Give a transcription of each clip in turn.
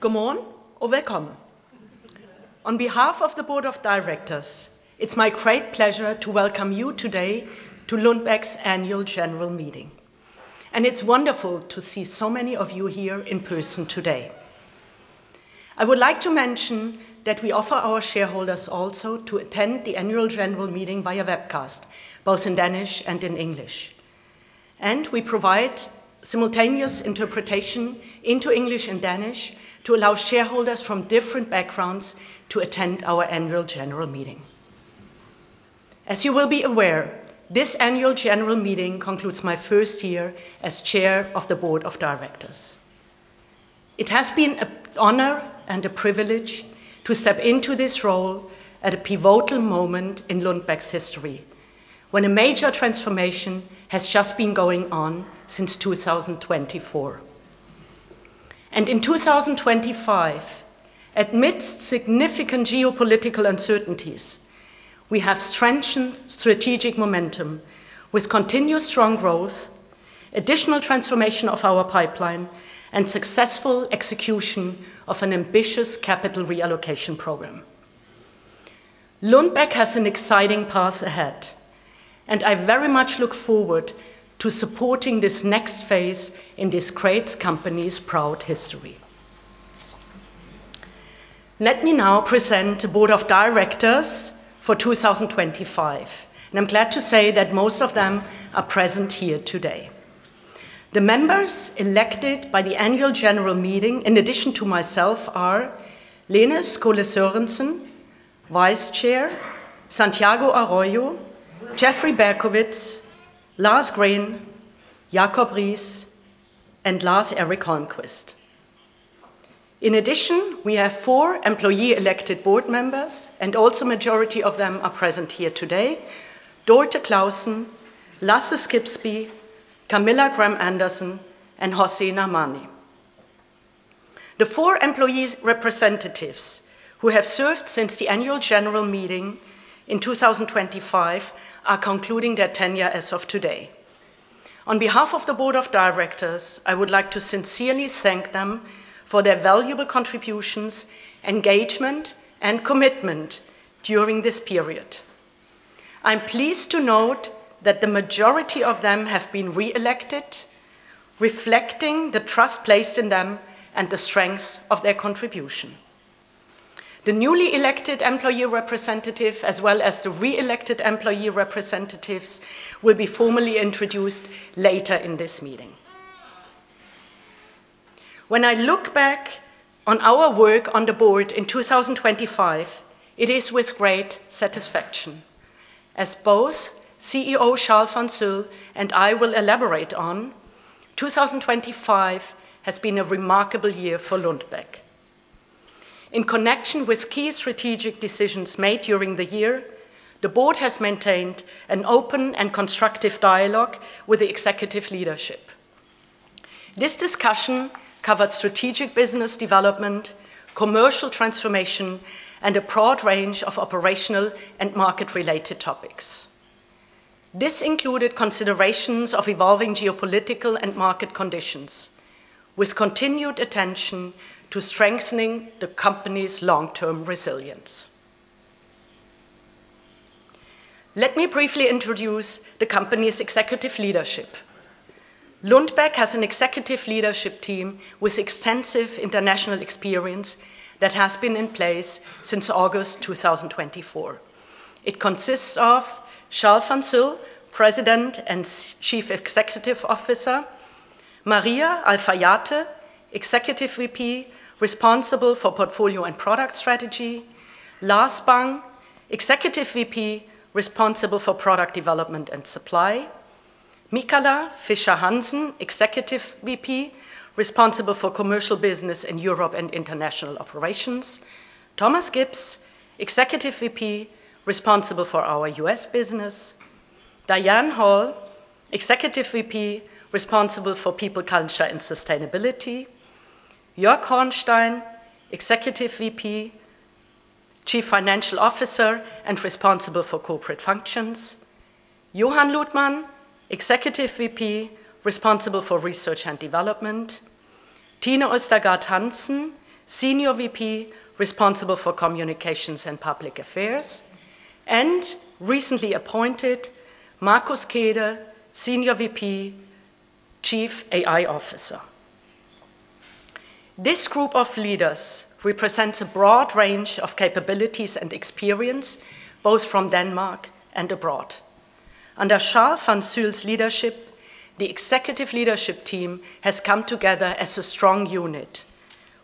Good morning and welcome. On behalf of the Board of Directors, it's my great pleasure to welcome you today to Lundbeck's Annual General Meeting. It's wonderful to see so many of you here in person today. I would like to mention that we offer our shareholders also to attend the Annual General Meeting via webcast, both in Danish and in English. We provide simultaneous interpretation into English and Danish to allow shareholders from different backgrounds to attend our annual general meeting. As you will be aware, this annual general meeting concludes my first year as Chair of the Board of Directors. It has been an honor and a privilege to step into this role at a pivotal moment in Lundbeck's history, when a major transformation has just been going on since 2024. In 2025, amidst significant geopolitical uncertainties, we have strengthened strategic momentum with continuous strong growth, additional transformation of our pipeline, and successful execution of an ambitious capital reallocation program. Lundbeck has an exciting path ahead, and I very much look forward to supporting this next phase in this great company's proud history. Let me now present the Board of Directors for 2025, and I'm glad to say that most of them are present here today. The members elected by the annual general meeting in addition to myself are Lene Skole-Sørensen, Vice Chair, Santiago Arroyo, Jeffrey Berkowitz, Lars Green, Jakob Riis, and Lars Erik Holmqvist. In addition, we have four employee elected board members, and also majority of them are present here today: Dorte Clausen, Lasse Skibsbye, Camilla Gram Andersson, and Hossein Armandi. The four employee representatives who have served since the Annual General Meeting in 2025 are concluding their tenure as of today. On behalf of the Board of Directors, I would like to sincerely thank them for their valuable contributions, engagement, and commitment during this period. I'm pleased to note that the majority of them have been reelected, reflecting the trust placed in them and the strengths of their contribution. The newly elected employee representative, as well as the reelected employee representatives, will be formally introduced later in this meeting. When I look back on our work on the Board in 2025, it is with great satisfaction. As both CEO Charl van Zyl and I will elaborate on, 2025 has been a remarkable year for Lundbeck. In connection with key strategic decisions made during the year, the Board has maintained an open and constructive dialogue with the executive leadership. This discussion covered strategic business development, commercial transformation, and a broad range of operational and market-related topics. This included considerations of evolving geopolitical and market conditions with continued attention to strengthening the company's long-term resilience. Let me briefly introduce the company's executive leadership. Lundbeck has an executive leadership team with extensive international experience that has been in place since August 2024. It consists of Charl van Zyl, President and Chief Executive Officer. Maria Alfaiate, Executive VP responsible for Portfolio & Product Strategy. Lars Bang, Executive VP responsible for Product Development & Supply. Michala Fischer-Hansen, Executive VP responsible for commercial business in Europe and international operations. Thomas Gibbs, Executive VP responsible for our U.S. business. Dianne Hol, Executive VP responsible for people, culture, and sustainability. Joerg Hornstein, Executive VP, Chief Financial Officer, and responsible for corporate functions. Johan Luthman, Executive VP responsible for research and development. Tine Østergaard-Hansen, Senior VP responsible for communications and public affairs. Recently appointed, Markus Kede, Senior VP, Chief AI Officer. This group of leaders represents a broad range of capabilities and experience, both from Denmark and abroad. Under Charl van Zyl's leadership, the executive leadership team has come together as a strong unit,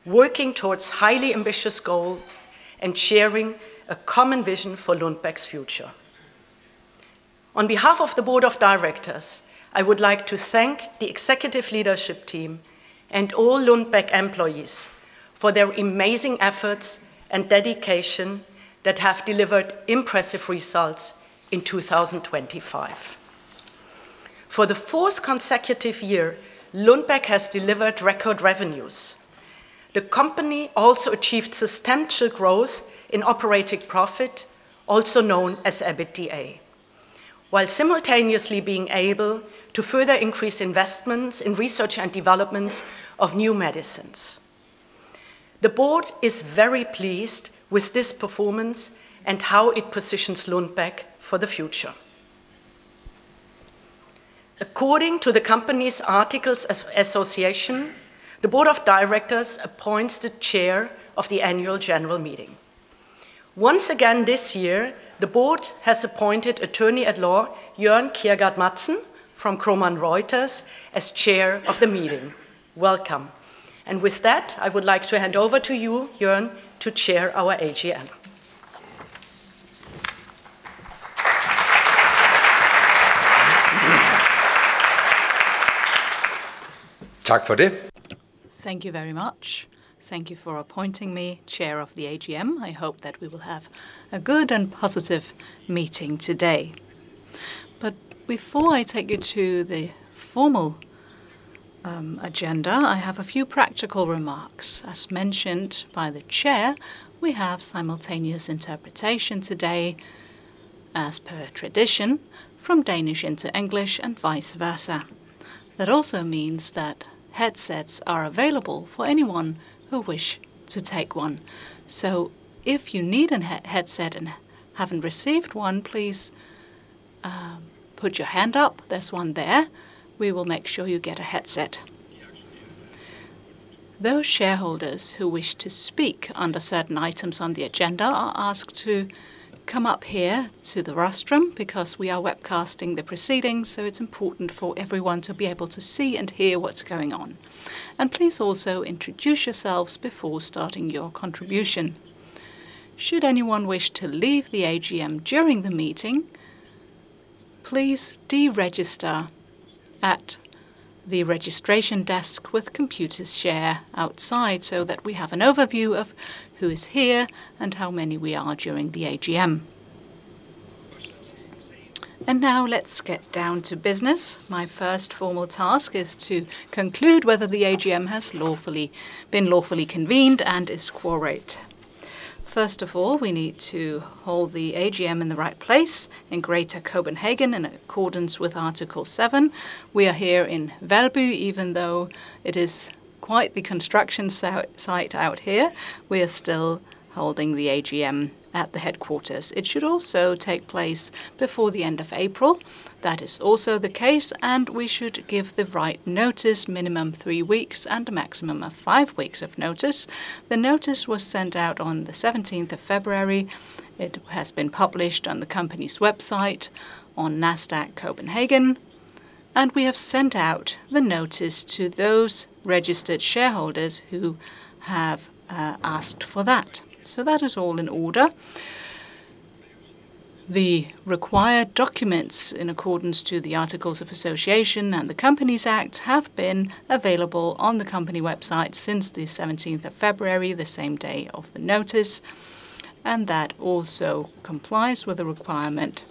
working towards highly ambitious goals and sharing a common vision for Lundbeck's future. On behalf of the Board of Directors, I would like to thank the executive leadership team and all Lundbeck employees for their amazing efforts and dedication that have delivered impressive results in 2025. For the fourth consecutive year, Lundbeck has delivered record revenues. The company also achieved substantial growth in operating profit, also known as EBITDA. While simultaneously being able to further increase investments in research and development of new medicines. The Board is very pleased with this performance and how it positions Lundbeck for the future. According to the company's articles of association, the Board of Directors appoints the Chair of the Annual General Meeting. Once again this year, the Board has appointed Attorney at Law Jørgen Kjergaard Madsen from Kromann Reumert as Chair of the Meeting. Welcome. With that, I would like to hand over to you, Jørgen, to chair our AGM. Thank you very much. Thank you for appointing me chair of the AGM. I hope that we will have a good and positive meeting today. Before I take you to the formal agenda, I have a few practical remarks. As mentioned by the chair, we have simultaneous interpretation today as per tradition from Danish into English and vice versa. That also means that headsets are available for anyone who wish to take one. If you need a headset and haven't received one, please put your hand up. There's one there. We will make sure you get a headset. Those shareholders who wish to speak under certain items on the agenda are asked to come up here to the rostrum because we are webcasting the proceedings, so it's important for everyone to be able to see and hear what's going on. Please also introduce yourselves before starting your contribution. Should anyone wish to leave the AGM during the meeting, please deregister at the registration desk with Computershare outside, so that we have an overview of who is here and how many we are during the AGM. Now let's get down to business. My first formal task is to conclude whether the AGM has been lawfully convened and is quorate. First of all, we need to hold the AGM in the right place, in Greater Copenhagen in accordance with Article 7. We are here in Valby, even though it is quite the construction site out here, we are still holding the AGM at the headquarters. It should also take place before the end of April. That is also the case, and we should give the right notice, minimum three weeks and a maximum of five weeks of notice. The notice was sent out on the 17th of February. It has been published on the company's website on Nasdaq Copenhagen, and we have sent out the notice to those registered shareholders who have asked for that. That is all in order. The required documents in accordance to the Articles of Association and the Companies Act have been available on the company website since the 17th of February, the same day of the notice, and that also complies with the requirement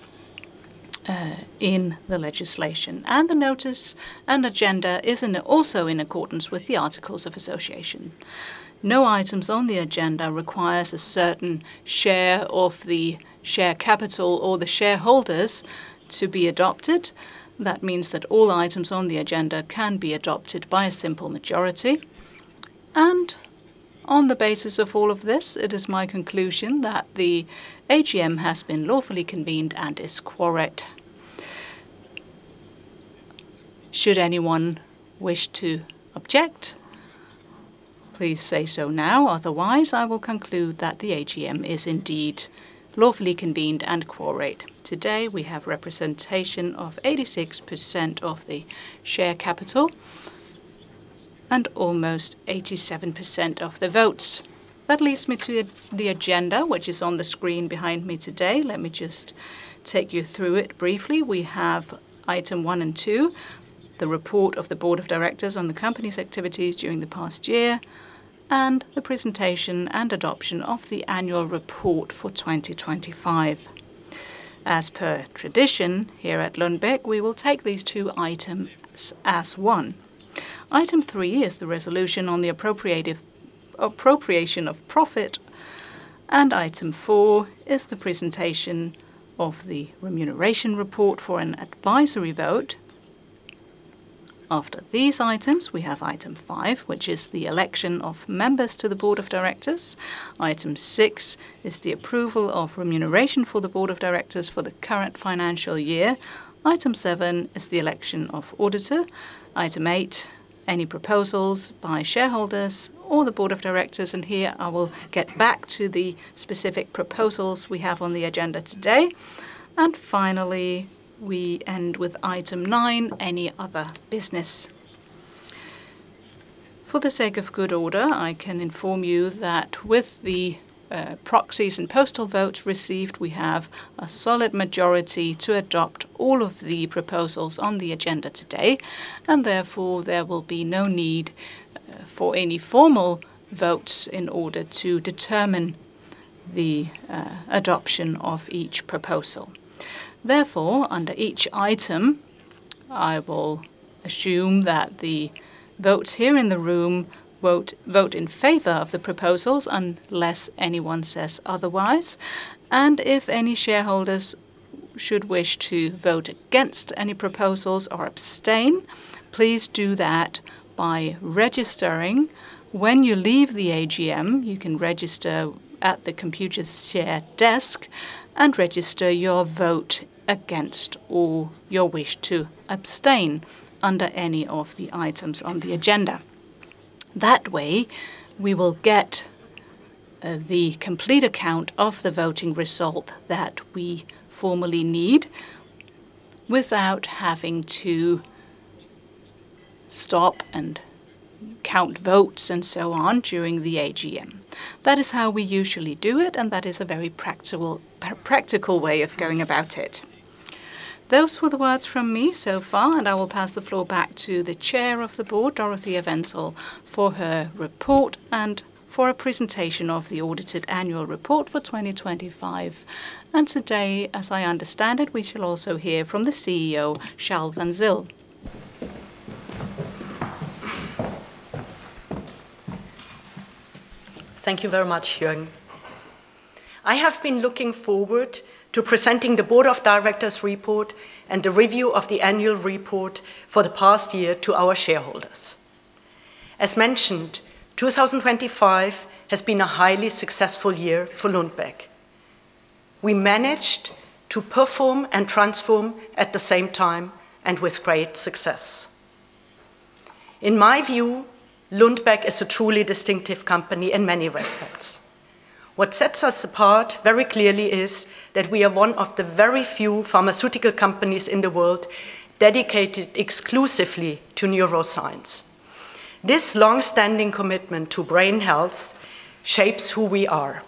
in the legislation. The notice and agenda is also in accordance with the articles of association. No items on the agenda requires a certain share of the share capital or the shareholders to be adopted. That means that all items on the agenda can be adopted by a simple majority. On the basis of all of this, it is my conclusion that the AGM has been lawfully convened and is quorate. Should anyone wish to object, please say so now. Otherwise, I will conclude that the AGM is indeed lawfully convened and quorate. Today, we have representation of 86% of the share capital and almost 87% of the votes. That leads me to the agenda, which is on the screen behind me today. Let me just take you through it briefly. We have item 1 and 2, the report of the Board of Directors on the company's activities during the past year, and the presentation and adoption of the annual report for 2025. As per tradition here at Lundbeck, we will take these two items as one. Item 3 is the resolution on the appropriation of profit, and item 4 is the presentation of the remuneration report for an advisory vote. After these items, we have item 5, which is the election of members to the Board of Directors. Item 6 is the approval of remuneration for the Board of Directors for the current financial year. Item 7 is the election of auditor. Item 8, any proposals by shareholders or the Board of Directors, and here I will get back to the specific proposals we have on the agenda today. Finally, we end with item 9, any other business. For the sake of good order, I can inform you that with the proxies and postal votes received, we have a solid majority to adopt all of the proposals on the agenda today, and therefore, there will be no need for any formal votes in order to determine the adoption of each proposal. Therefore, under each item I will assume that the votes here in the room vote in favor of the proposals unless anyone says otherwise. If any shareholders should wish to vote against any proposals or abstain, please do that by registering when you leave the AGM. You can register at the Computershare desk and register your vote against or your wish to abstain under any of the items on the agenda. That way we will get the complete account of the voting result that we formally need without having to stop and count votes and so on during the AGM. That is how we usually do it, and that is a very practical way of going about it. Those were the words from me so far, and I will pass the floor back to the Chair of the Board, Dorothea Wenzel, for her report and for a presentation of the audited annual report for 2025. Today, as I understand it, we shall also hear from the CEO, Charl van Zyl. Thank you very much, Jørgen. I have been looking forward to presenting the Board of Directors' report and the review of the annual report for the past year to our shareholders. As mentioned, 2025 has been a highly successful year for Lundbeck. We managed to perform and transform at the same time and with great success. In my view, Lundbeck is a truly distinctive company in many respects. What sets us apart very clearly is that we are one of the very few pharmaceutical companies in the world dedicated exclusively to neuroscience. This long-standing commitment to brain health shapes who we are.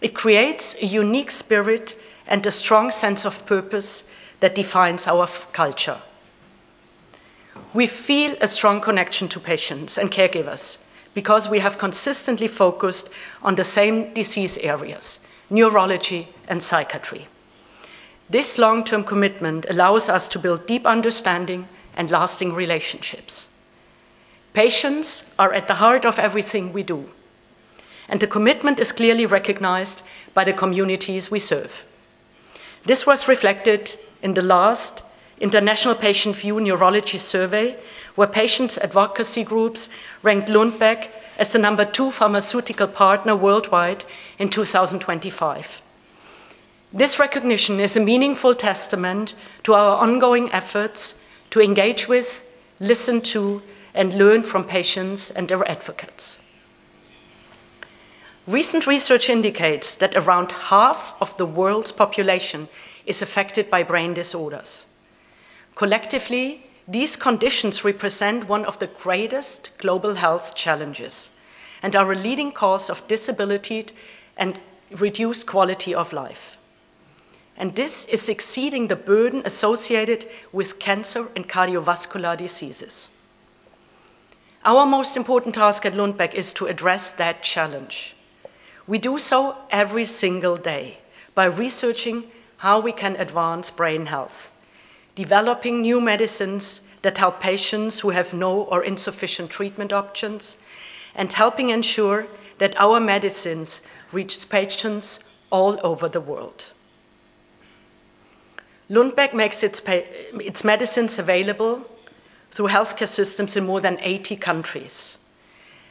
It creates a unique spirit and a strong sense of purpose that defines our culture. We feel a strong connection to patients and caregivers because we have consistently focused on the same disease areas, neurology and psychiatry. This long-term commitment allows us to build deep understanding and lasting relationships. Patients are at the heart of everything we do, and the commitment is clearly recognized by the communities we serve. This was reflected in the last International PatientView Neurology Survey, where patient advocacy groups ranked Lundbeck as the number two pharmaceutical partner worldwide in 2025. This recognition is a meaningful testament to our ongoing efforts to engage with, listen to, and learn from patients and their advocates. Recent research indicates that around half of the world's population is affected by brain disorders. Collectively, these conditions represent one of the greatest global health challenges and are a leading cause of disability and reduced quality of life, and this is exceeding the burden associated with cancer and cardiovascular diseases. Our most important task at Lundbeck is to address that challenge. We do so every single day by researching how we can advance brain health, developing new medicines that help patients who have no or insufficient treatment options, and helping ensure that our medicines reach patients all over the world. Lundbeck makes its medicines available through healthcare systems in more than 80 countries.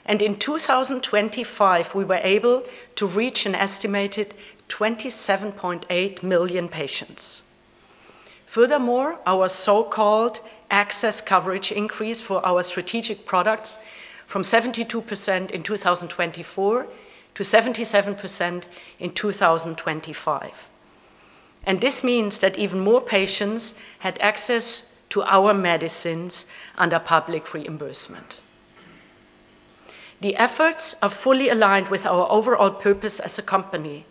In 2025, we were able to reach an estimated 27.8 million patients. Furthermore, our so-called access coverage increase for our strategic products from 72% in 2024 to 77% in 2025. This means that even more patients had access to our medicines under public reimbursement. The efforts are fully aligned with our overall purpose as a company,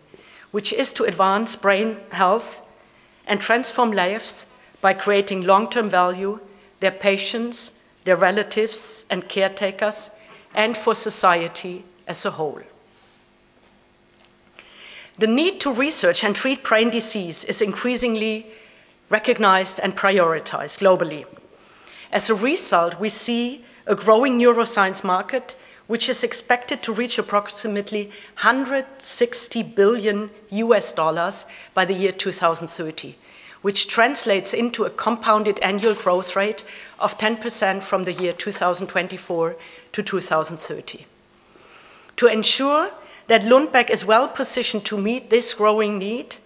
which is to advance brain health and transform lives by creating long-term value, their patients, their relatives, and caretakers, and for society as a whole. The need to research and treat brain disease is increasingly recognized and prioritized globally. As a result, we see a growing neuroscience market, which is expected to reach approximately $160 billion by the year 2030, which translates into a compounded annual growth rate of 10% from the year 2024-2030. To ensure that Lundbeck is well-positioned to meet this growing need,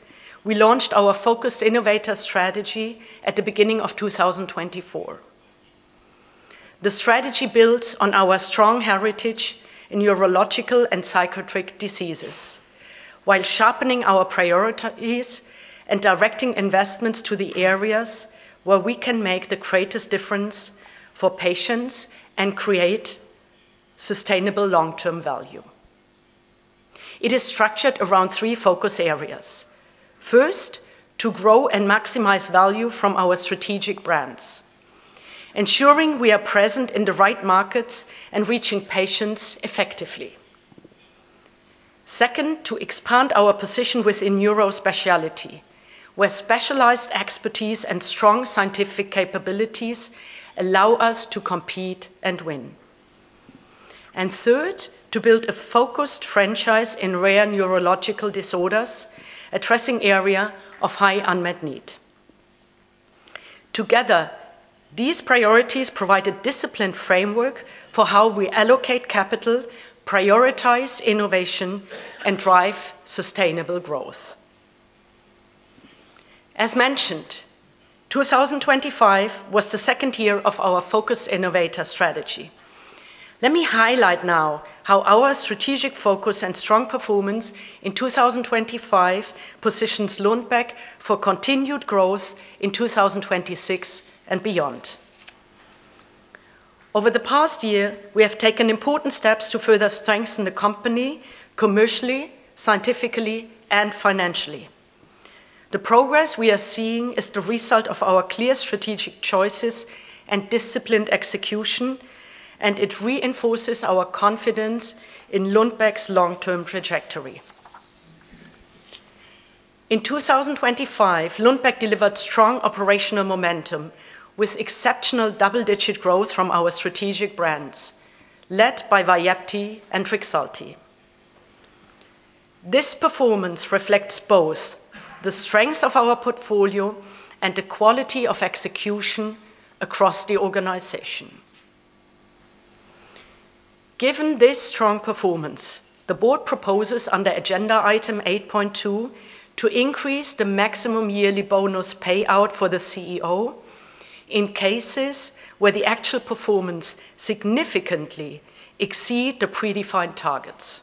we launched our Focused Innovator Strategy at the beginning of 2024. The strategy builds on our strong heritage in neurological and psychiatric diseases while sharpening our priorities and directing investments to the areas where we can make the greatest difference for patients and create sustainable long-term value. It is structured around three focus areas. First, to grow and maximize value from our strategic brands, ensuring we are present in the right markets and reaching patients effectively. Second, to expand our position within neurospecialty, where specialized expertise and strong scientific capabilities allow us to compete and win. Third, to build a focused franchise in rare neurological disorders, addressing area of high unmet need. Together, these priorities provide a disciplined framework for how we allocate capital, prioritize innovation, and drive sustainable growth. As mentioned, 2025 was the second year of our Focused Innovator Strategy. Let me highlight now how our strategic focus and strong performance in 2025 positions Lundbeck for continued growth in 2026 and beyond. Over the past year, we have taken important steps to further strengthen the company commercially, scientifically, and financially. The progress we are seeing is the result of our clear strategic choices and disciplined execution, and it reinforces our confidence in Lundbeck's long-term trajectory. In 2025, Lundbeck delivered strong operational momentum with exceptional double-digit growth from our strategic brands, led by VYEPTI and REXULTI. This performance reflects both the strength of our portfolio and the quality of execution across the organization. Given this strong performance, the Board proposes under agenda item 8.2 to increase the maximum yearly bonus payout for the CEO in cases where the actual performance significantly exceed the predefined targets.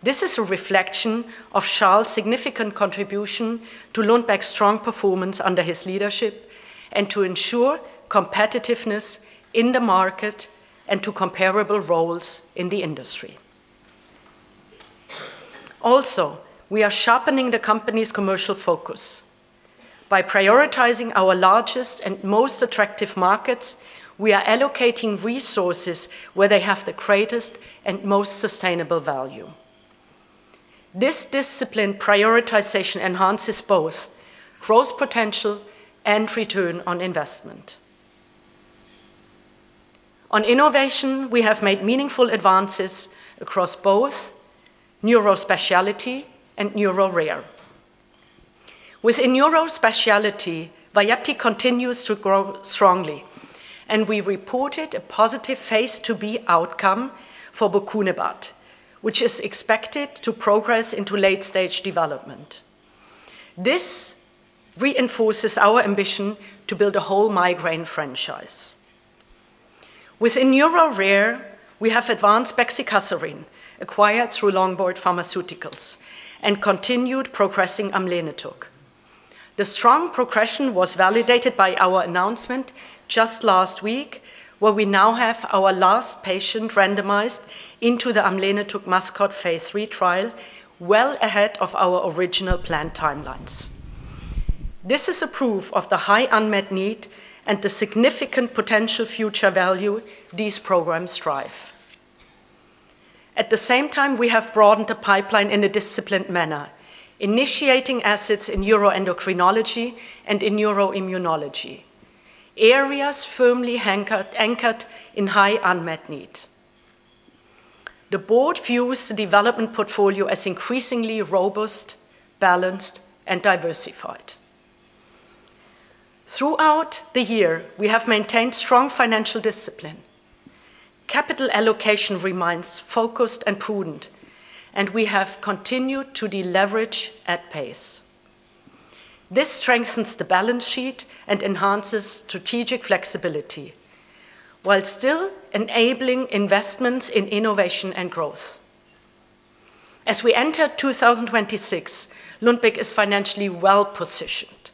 This is a reflection of Charl's significant contribution to Lundbeck's strong performance under his leadership and to ensure competitiveness in the market and to comparable roles in the industry. Also, we are sharpening the company's commercial focus. By prioritizing our largest and most attractive markets, we are allocating resources where they have the greatest and most sustainable value. This disciplined prioritization enhances both growth potential and return on investment. On innovation, we have made meaningful advances across both neurospecialty and neuro-rare. Within neurospecialty, Vyepti continues to grow strongly, and we reported a positive phase II-B outcome for bocunebart, which is expected to progress into late-stage development. This reinforces our ambition to build a whole migraine franchise. Within neuro-rare, we have advanced bexicaserin, acquired through Longboard Pharmaceuticals, and continued progressing amlenetug. The strong progression was validated by our announcement just last week, where we now have our last patient randomized into the amlenetug MASCOT phase III trial well ahead of our original planned timelines. This is a proof of the high unmet need and the significant potential future value these programs drive. At the same time, we have broadened the pipeline in a disciplined manner, initiating assets in neuroendocrinology and in neuroimmunology, areas firmly anchored in high unmet need. The Board views the development portfolio as increasingly robust, balanced, and diversified. Throughout the year, we have maintained strong financial discipline. Capital allocation remains focused and prudent, and we have continued to deleverage at pace. This strengthens the balance sheet and enhances strategic flexibility while still enabling investments in innovation and growth. As we enter 2026, Lundbeck is financially well-positioned,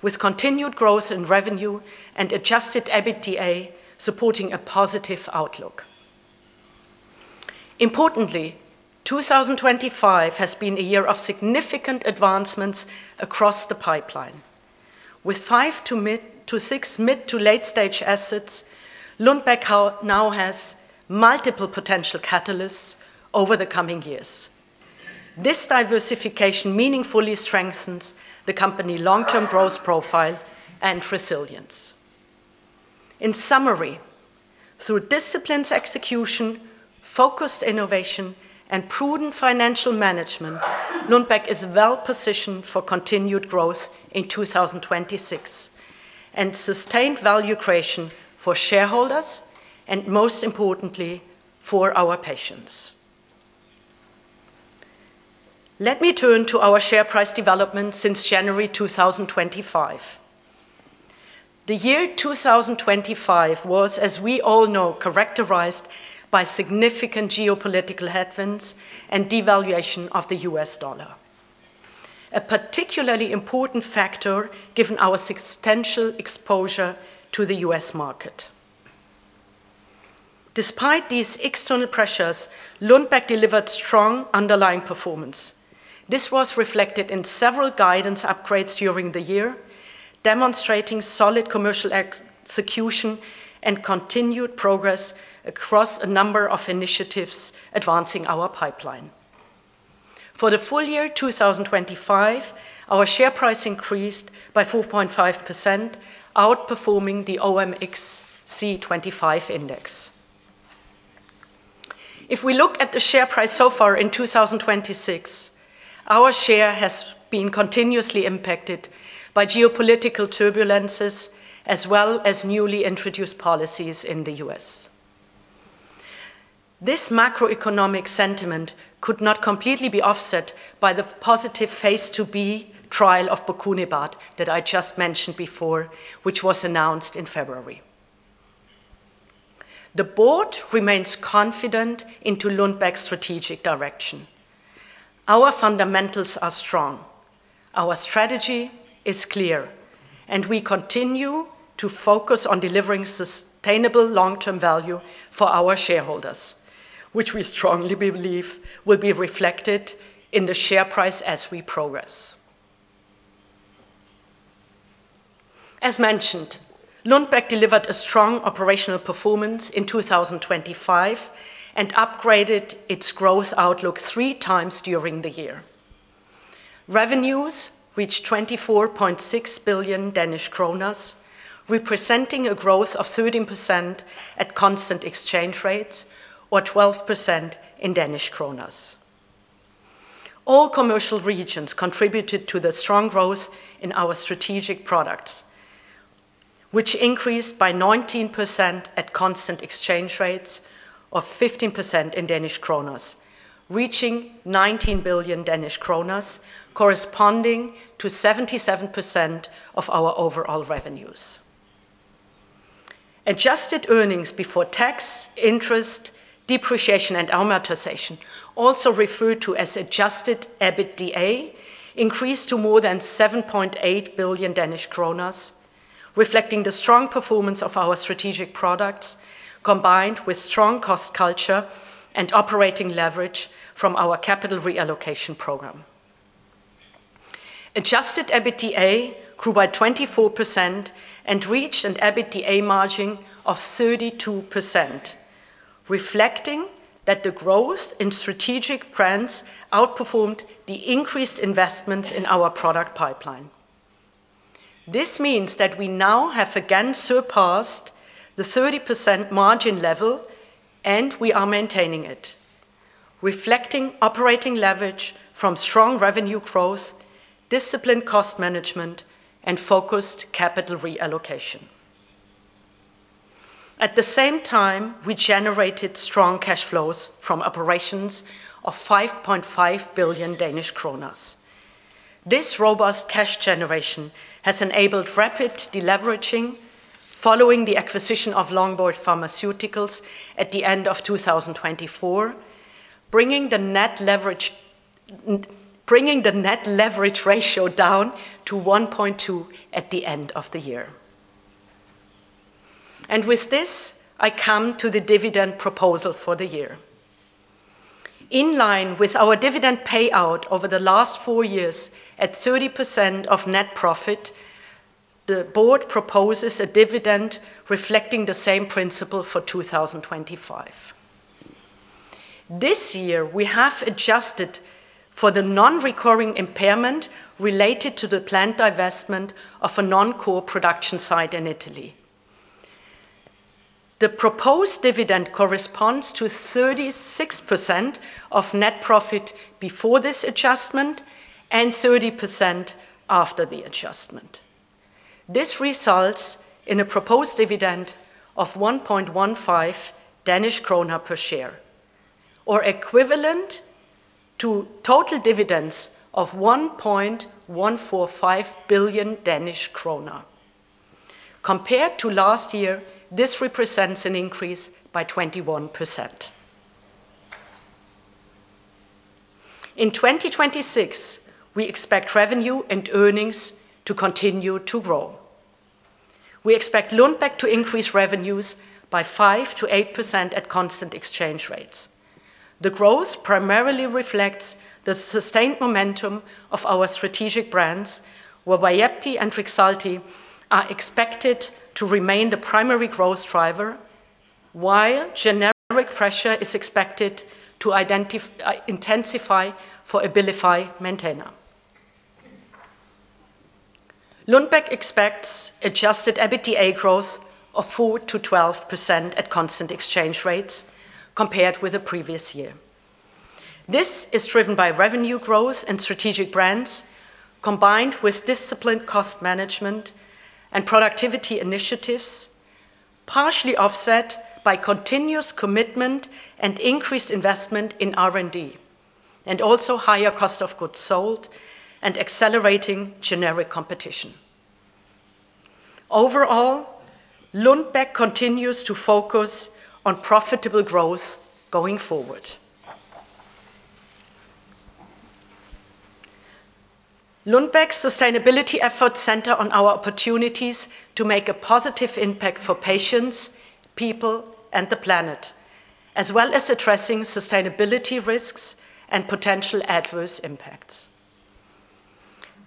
with continued growth in revenue and adjusted EBITDA supporting a positive outlook. Importantly, 2025 has been a year of significant advancements across the pipeline. With five to six mid- to late-stage assets, Lundbeck now has multiple potential catalysts over the coming years. This diversification meaningfully strengthens the company long-term growth profile and resilience. In summary, through disciplined execution, focused innovation, and prudent financial management, Lundbeck is well-positioned for continued growth in 2026 and sustained value creation for shareholders and, most importantly, for our patients. Let me turn to our share price development since January 2025. The year 2025 was, as we all know, characterized by significant geopolitical headwinds and devaluation of the U.S. dollar, a particularly important factor given our substantial exposure to the U.S. market. Despite these external pressures, Lundbeck delivered strong underlying performance. This was reflected in several guidance upgrades during the year, demonstrating solid commercial execution and continued progress across a number of initiatives advancing our pipeline. For the full year 2025, our share price increased by 4.5%, outperforming the OMXC25 index. If we look at the share price so far in 2026, our share has been continuously impacted by geopolitical turbulences as well as newly introduced policies in the U.S. This macroeconomic sentiment could not completely be offset by the positive phase II-B trial of bocunebart that I just mentioned before, which was announced in February. The Board remains confident in Lundbeck's strategic direction. Our fundamentals are strong, our strategy is clear, and we continue to focus on delivering sustainable long-term value for our shareholders, which we strongly believe will be reflected in the share price as we progress. Lundbeck delivered a strong operational performance in 2025 and upgraded its growth outlook three times during the year. Revenues reached 24.6 billion Danish kroner, representing a growth of 13% at constant exchange rates or 12% in Danish kroner. All commercial regions contributed to the strong growth in our strategic products, which increased by 19% at constant exchange rates or 15% in Danish kroner, reaching 19 billion Danish kroner, corresponding to 77% of our overall revenues. Adjusted earnings before tax, interest, depreciation, and amortization, also referred to as adjusted EBITDA, increased to more than 7.8 billion Danish kroner, reflecting the strong performance of our strategic products, combined with strong cost culture and operating leverage from our capital reallocation program. Adjusted EBITDA grew by 24% and reached an EBITDA margin of 32%, reflecting that the growth in strategic brands outperformed the increased investments in our product pipeline. This means that we now have again surpassed the 30% margin level, and we are maintaining it, reflecting operating leverage from strong revenue growth, disciplined cost management, and focused capital reallocation. At the same time, we generated strong cash flows from operations of 5.5 billion Danish kroner. This robust cash generation has enabled rapid deleveraging following the acquisition of Longboard Pharmaceuticals at the end of 2024, bringing the net leverage ratio down to 1.2x at the end of the year. With this, I come to the dividend proposal for the year. In line with our dividend payout over the last four years at 30% of net profit, the Board proposes a dividend reflecting the same principle for 2025. This year, we have adjusted for the non-recurring impairment related to the planned divestment of a non-core production site in Italy. The proposed dividend corresponds to 36% of net profit before this adjustment and 30% after the adjustment. This results in a proposed dividend of 1.15 Danish kroner per share or equivalent to total dividends of 1.145 billion Danish kroner. Compared to last year, this represents an increase by 21%. In 2026, we expect revenue and earnings to continue to grow. We expect Lundbeck to increase revenues by 5%-8% at constant exchange rates. The growth primarily reflects the sustained momentum of our strategic brands, where VYEPTI and REXULTI are expected to remain the primary growth driver, while generic pressure is expected to intensify for Abilify Maintena. Lundbeck expects adjusted EBITDA growth of 4%-12% at constant exchange rates compared with the previous year. This is driven by revenue growth and strategic brands, combined with disciplined cost management and productivity initiatives, partially offset by continuous commitment and increased investment in R&D, and also higher cost of goods sold and accelerating generic competition. Overall, Lundbeck continues to focus on profitable growth going forward. Lundbeck's sustainability efforts center on our opportunities to make a positive impact for patients, people, and the planet, as well as addressing sustainability risks and potential adverse impacts.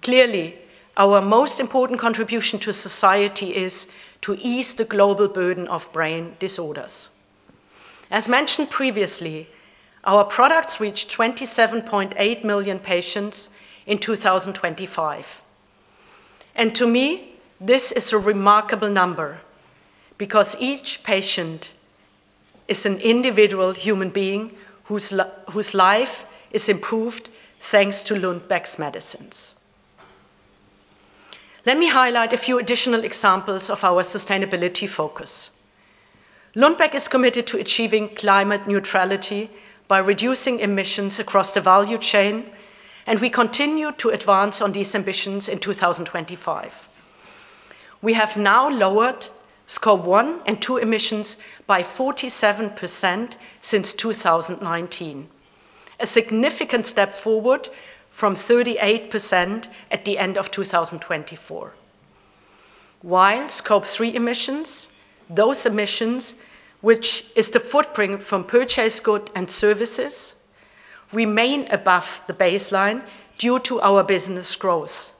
Clearly, our most important contribution to society is to ease the global burden of brain disorders. As mentioned previously, our products reached 27.8 million patients in 2025. To me, this is a remarkable number because each patient is an individual human being whose life is improved thanks to Lundbeck's medicines. Let me highlight a few additional examples of our sustainability focus. Lundbeck is committed to achieving climate neutrality by reducing emissions across the value chain, and we continue to advance on these ambitions in 2025. We have now lowered Scope 1 and 2 emissions by 47% since 2019, a significant step forward from 38% at the end of 2024. While Scope 3 emissions, those emissions, which is the footprint from purchased goods and services, remain above the baseline due to our business growth.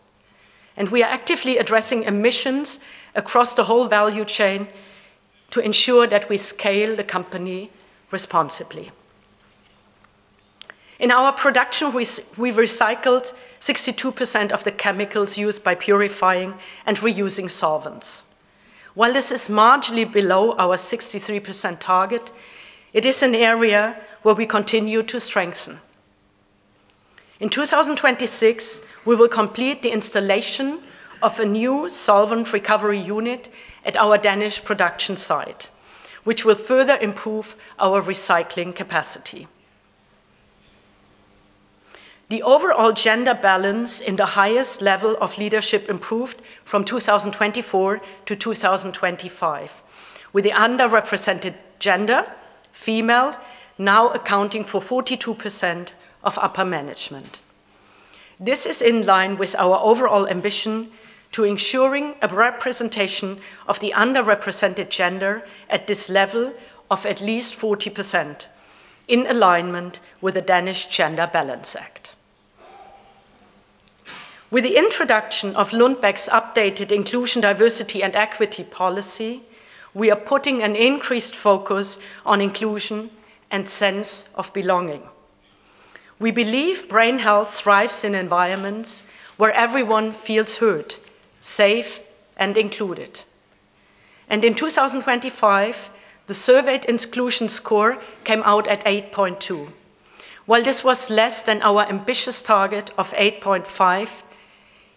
We are actively addressing emissions across the whole value chain to ensure that we scale the company responsibly. In our production, we recycled 62% of the chemicals used by purifying and reusing solvents. While this is marginally below our 63% target, it is an area where we continue to strengthen. In 2026, we will complete the installation of a new solvent recovery unit at our Danish production site, which will further improve our recycling capacity. The overall gender balance in the highest level of leadership improved from 2024-2025, with the underrepresented gender, female, now accounting for 42% of upper management. This is in line with our overall ambition to ensuring a representation of the underrepresented gender at this level of at least 40%, in alignment with the Danish Gender Balance Act. With the introduction of Lundbeck's updated inclusion, diversity, and equity policy, we are putting an increased focus on inclusion and sense of belonging. We believe brain health thrives in environments where everyone feels heard, safe, and included. In 2025, the surveyed inclusion score came out at 8.2. While this was less than our ambitious target of 8.5,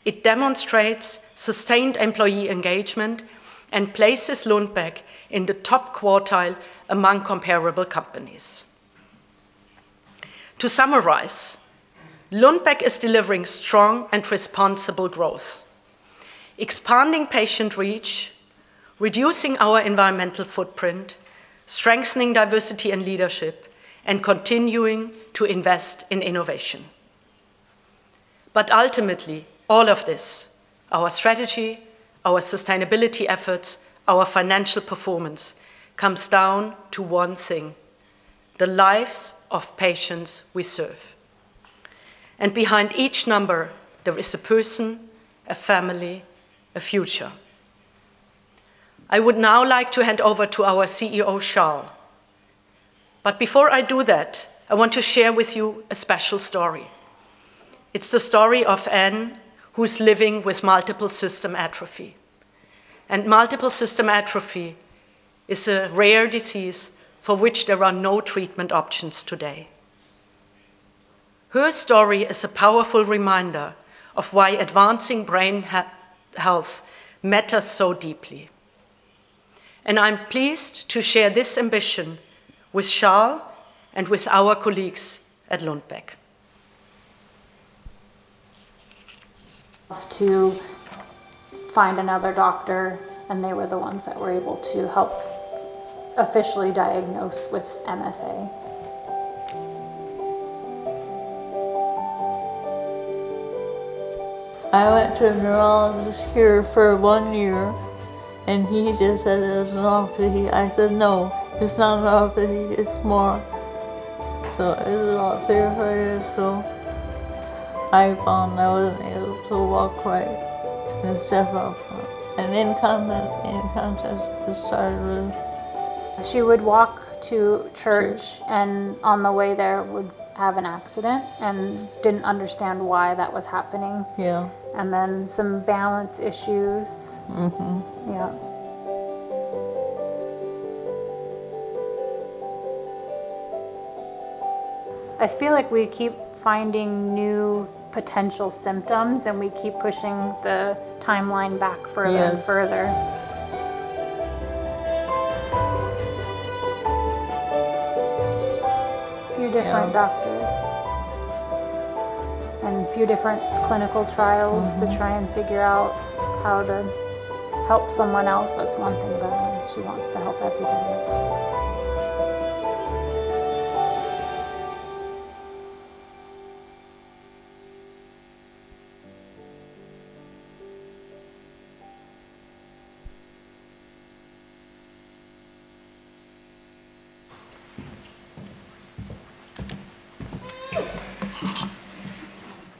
it demonstrates sustained employee engagement and places Lundbeck in the top quartile among comparable companies. To summarize, Lundbeck is delivering strong and responsible growth, expanding patient reach, reducing our environmental footprint, strengthening diversity and leadership, and continuing to invest in innovation. Ultimately, all of this, our strategy, our sustainability efforts, our financial performance, comes down to one thing: the lives of patients we serve. Behind each number, there is a person, a family, a future. I would now like to hand over to our CEO, Charl van Zyl. Before I do that, I want to share with you a special story. It's the story of Anne, who's living with multiple system atrophy. Multiple system atrophy is a rare disease for which there are no treatment options today. Her story is a powerful reminder of why advancing brain health matters so deeply. I'm pleased to share this ambition with Charl and with our colleagues at Lundbeck. To find another doctor, and they were the ones that were able to help officially diagnose with MSA. I went to a neurologist here for one year, and he just said it was an atrophy. I said, "No, it's not an atrophy. It's more." It was about three or four years ago. I found I wasn't able to walk right and step out from it. Incontinence just started. She would walk to church. Church. On the way there would have an accident and didn't understand why that was happening. Yeah. Some balance issues. Yeah. I feel like we keep finding new potential symptoms, and we keep pushing the timeline back further and further. Yes. Few different doctors. Yeah. A few different clinical trials to try and figure out how to help someone else. That's one thing about mom. She wants to help everybody else.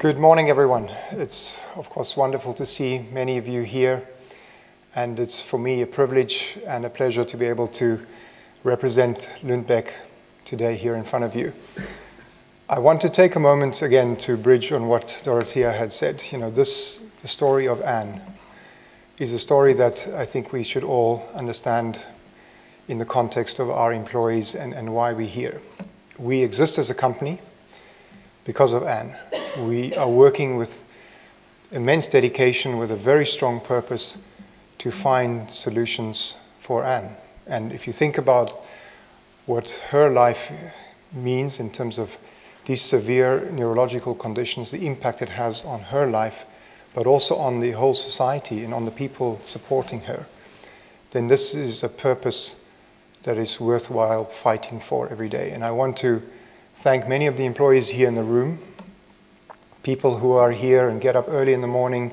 Good morning, everyone. It's of course wonderful to see many of you here, and it's for me a privilege and a pleasure to be able to represent Lundbeck today here in front of you. I want to take a moment again to bridge on what Dorothea had said. You know, this story of Anne is a story that I think we should all understand in the context of our employees and why we're here. We exist as a company because of Anne. We are working with immense dedication, with a very strong purpose to find solutions for Anne. If you think about what her life means in terms of these severe neurological conditions, the impact it has on her life, but also on the whole society and on the people supporting her, then this is a purpose that is worthwhile fighting for every day. I want to thank many of the employees here in the room, people who are here and get up early in the morning,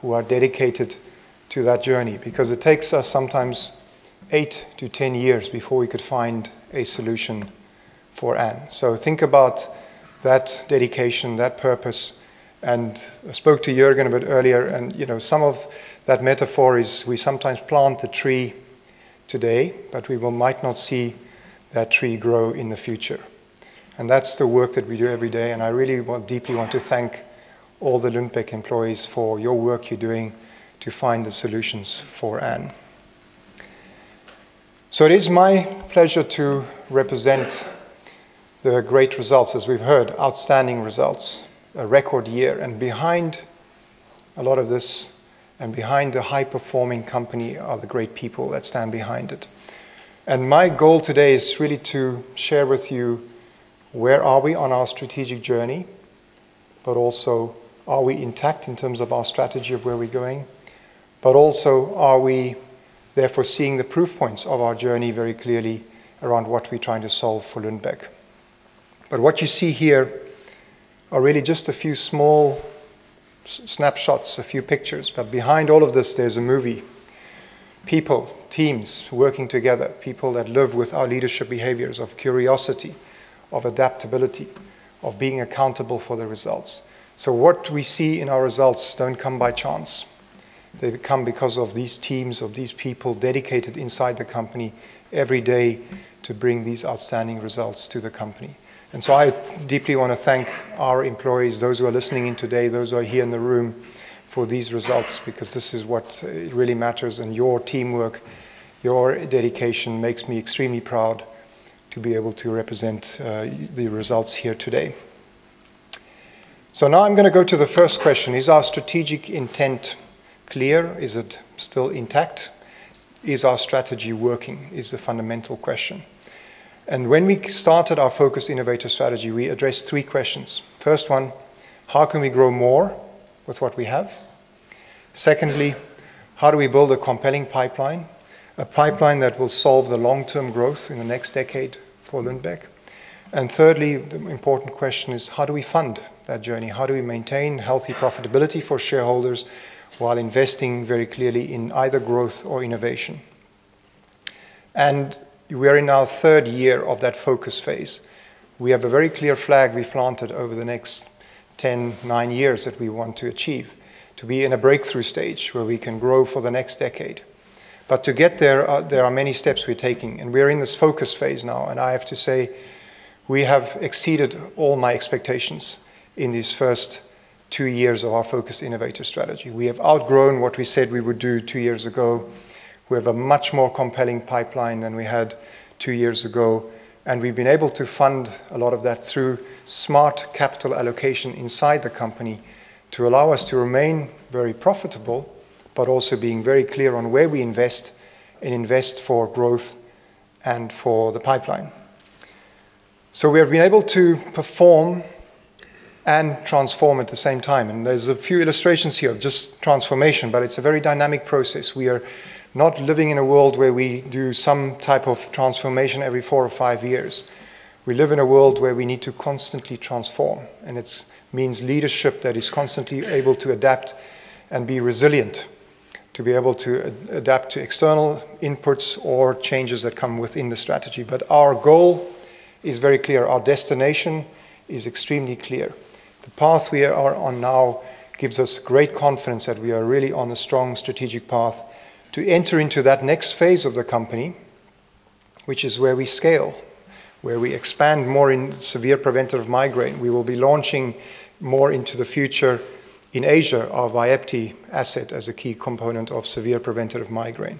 who are dedicated to that journey, because it takes us sometimes eight to 10 years before we could find a solution for Anne. Think about that dedication, that purpose. I spoke to Jørgen a bit earlier, and you know, some of that metaphor is we sometimes plant the tree today, but we might not see that tree grow in the future. That's the work that we do every day. I really want, deeply want to thank all the Lundbeck employees for your work you're doing to find the solutions for Anne. It is my pleasure to present the great results, as we've heard, outstanding results, a record year. Behind a lot of this and behind the high-performing company are the great people that stand behind it. My goal today is really to share with you where are we on our strategic journey, but also are we intact in terms of our strategy of where we're going? Are we therefore seeing the proof points of our journey very clearly around what we're trying to solve for Lundbeck? What you see here are really just a few small snapshots, a few pictures. Behind all of this, there's a movie. People, teams working together, people that live with our leadership behaviors of curiosity, of adaptability, of being accountable for the results. What we see in our results don't come by chance. They come because of these teams, of these people dedicated inside the company every day to bring these outstanding results to the company. I deeply want to thank our employees, those who are listening in today, those who are here in the room for these results, because this is what really matters. Your teamwork, your dedication makes me extremely proud to be able to represent the results here today. Now I'm going to go to the first question. Is our strategic intent clear? Is it still intact? Is our strategy working? Is the fundamental question. When we started our Focused Innovator Strategy, we addressed three questions. First one, how can we grow more with what we have? Secondly, how do we build a compelling pipeline, a pipeline that will solve the long-term growth in the next decade for Lundbeck? Thirdly, the important question is. How do we fund that journey? How do we maintain healthy profitability for shareholders while investing very clearly in either growth or innovation? We are in our third year of that focus phase. We have a very clear flag we planted over the next 10, nine years that we want to achieve, to be in a breakthrough stage where we can grow for the next decade. To get there are many steps we're taking, and we're in this focus phase now, and I have to say, we have exceeded all my expectations in these first two years of our Focused Innovator Strategy. We have outgrown what we said we would do two years ago. We have a much more compelling pipeline than we had two years ago, and we've been able to fund a lot of that through smart capital allocation inside the company to allow us to remain very profitable, but also being very clear on where we invest and invest for growth and for the pipeline. We have been able to perform and transform at the same time. There's a few illustrations here of just transformation, but it's a very dynamic process. We are not living in a world where we do some type of transformation every four or five years. We live in a world where we need to constantly transform, and it means leadership that is constantly able to adapt and be resilient, to be able to adapt to external inputs or changes that come within the strategy. Our goal is very clear. Our destination is extremely clear. The path we are on now gives us great confidence that we are really on a strong strategic path to enter into that next phase of the company, which is where we scale, where we expand more in severe preventive migraine. We will be launching more into the future in Asia, our VYEPTI asset as a key component of severe preventive migraine.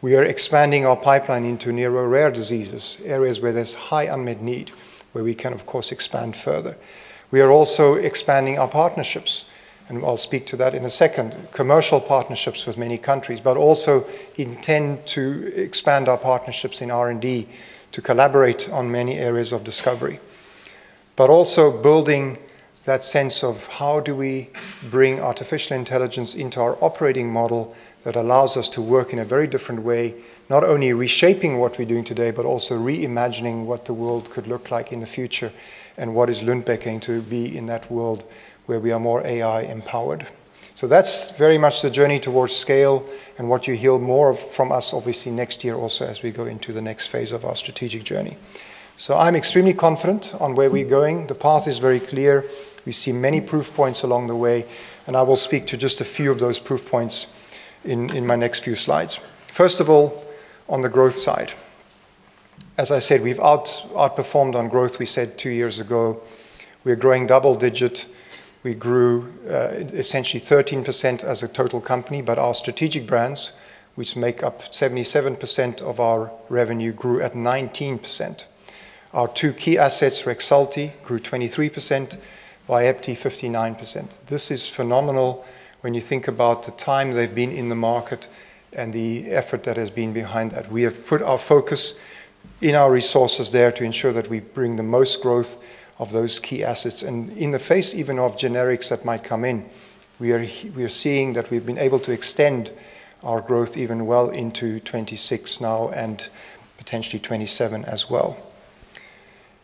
We are expanding our pipeline into neuro-rare diseases, areas where there's high unmet need, where we can, of course, expand further. We are also expanding our partnerships, and I'll speak to that in a second. Commercial partnerships with many countries, but also intend to expand our partnerships in R&D to collaborate on many areas of discovery. Also building that sense of how do we bring artificial intelligence into our operating model that allows us to work in a very different way, not only reshaping what we're doing today, but also reimagining what the world could look like in the future and what is Lundbeck going to be in that world where we are more AI-empowered. That's very much the journey towards scale and what you hear more from us obviously next year also as we go into the next phase of our strategic journey. I'm extremely confident on where we're going. The path is very clear. We see many proof points along the way, and I will speak to just a few of those proof points in my next few slides. First of all, on the growth side. As I said, we've outperformed on growth we said two years ago. We are growing double-digit. We grew essentially 13% as a total company, but our strategic brands, which make up 77% of our revenue, grew at 19%. Our two key assets, REXULTI grew 23%, VYEPTI 59%. This is phenomenal when you think about the time they've been in the market and the effort that has been behind that. We have put our focus and our resources there to ensure that we bring the most growth of those key assets. In the face even of generics that might come in, we are seeing that we've been able to extend our growth even well into 2026 now and potentially 2027 as well.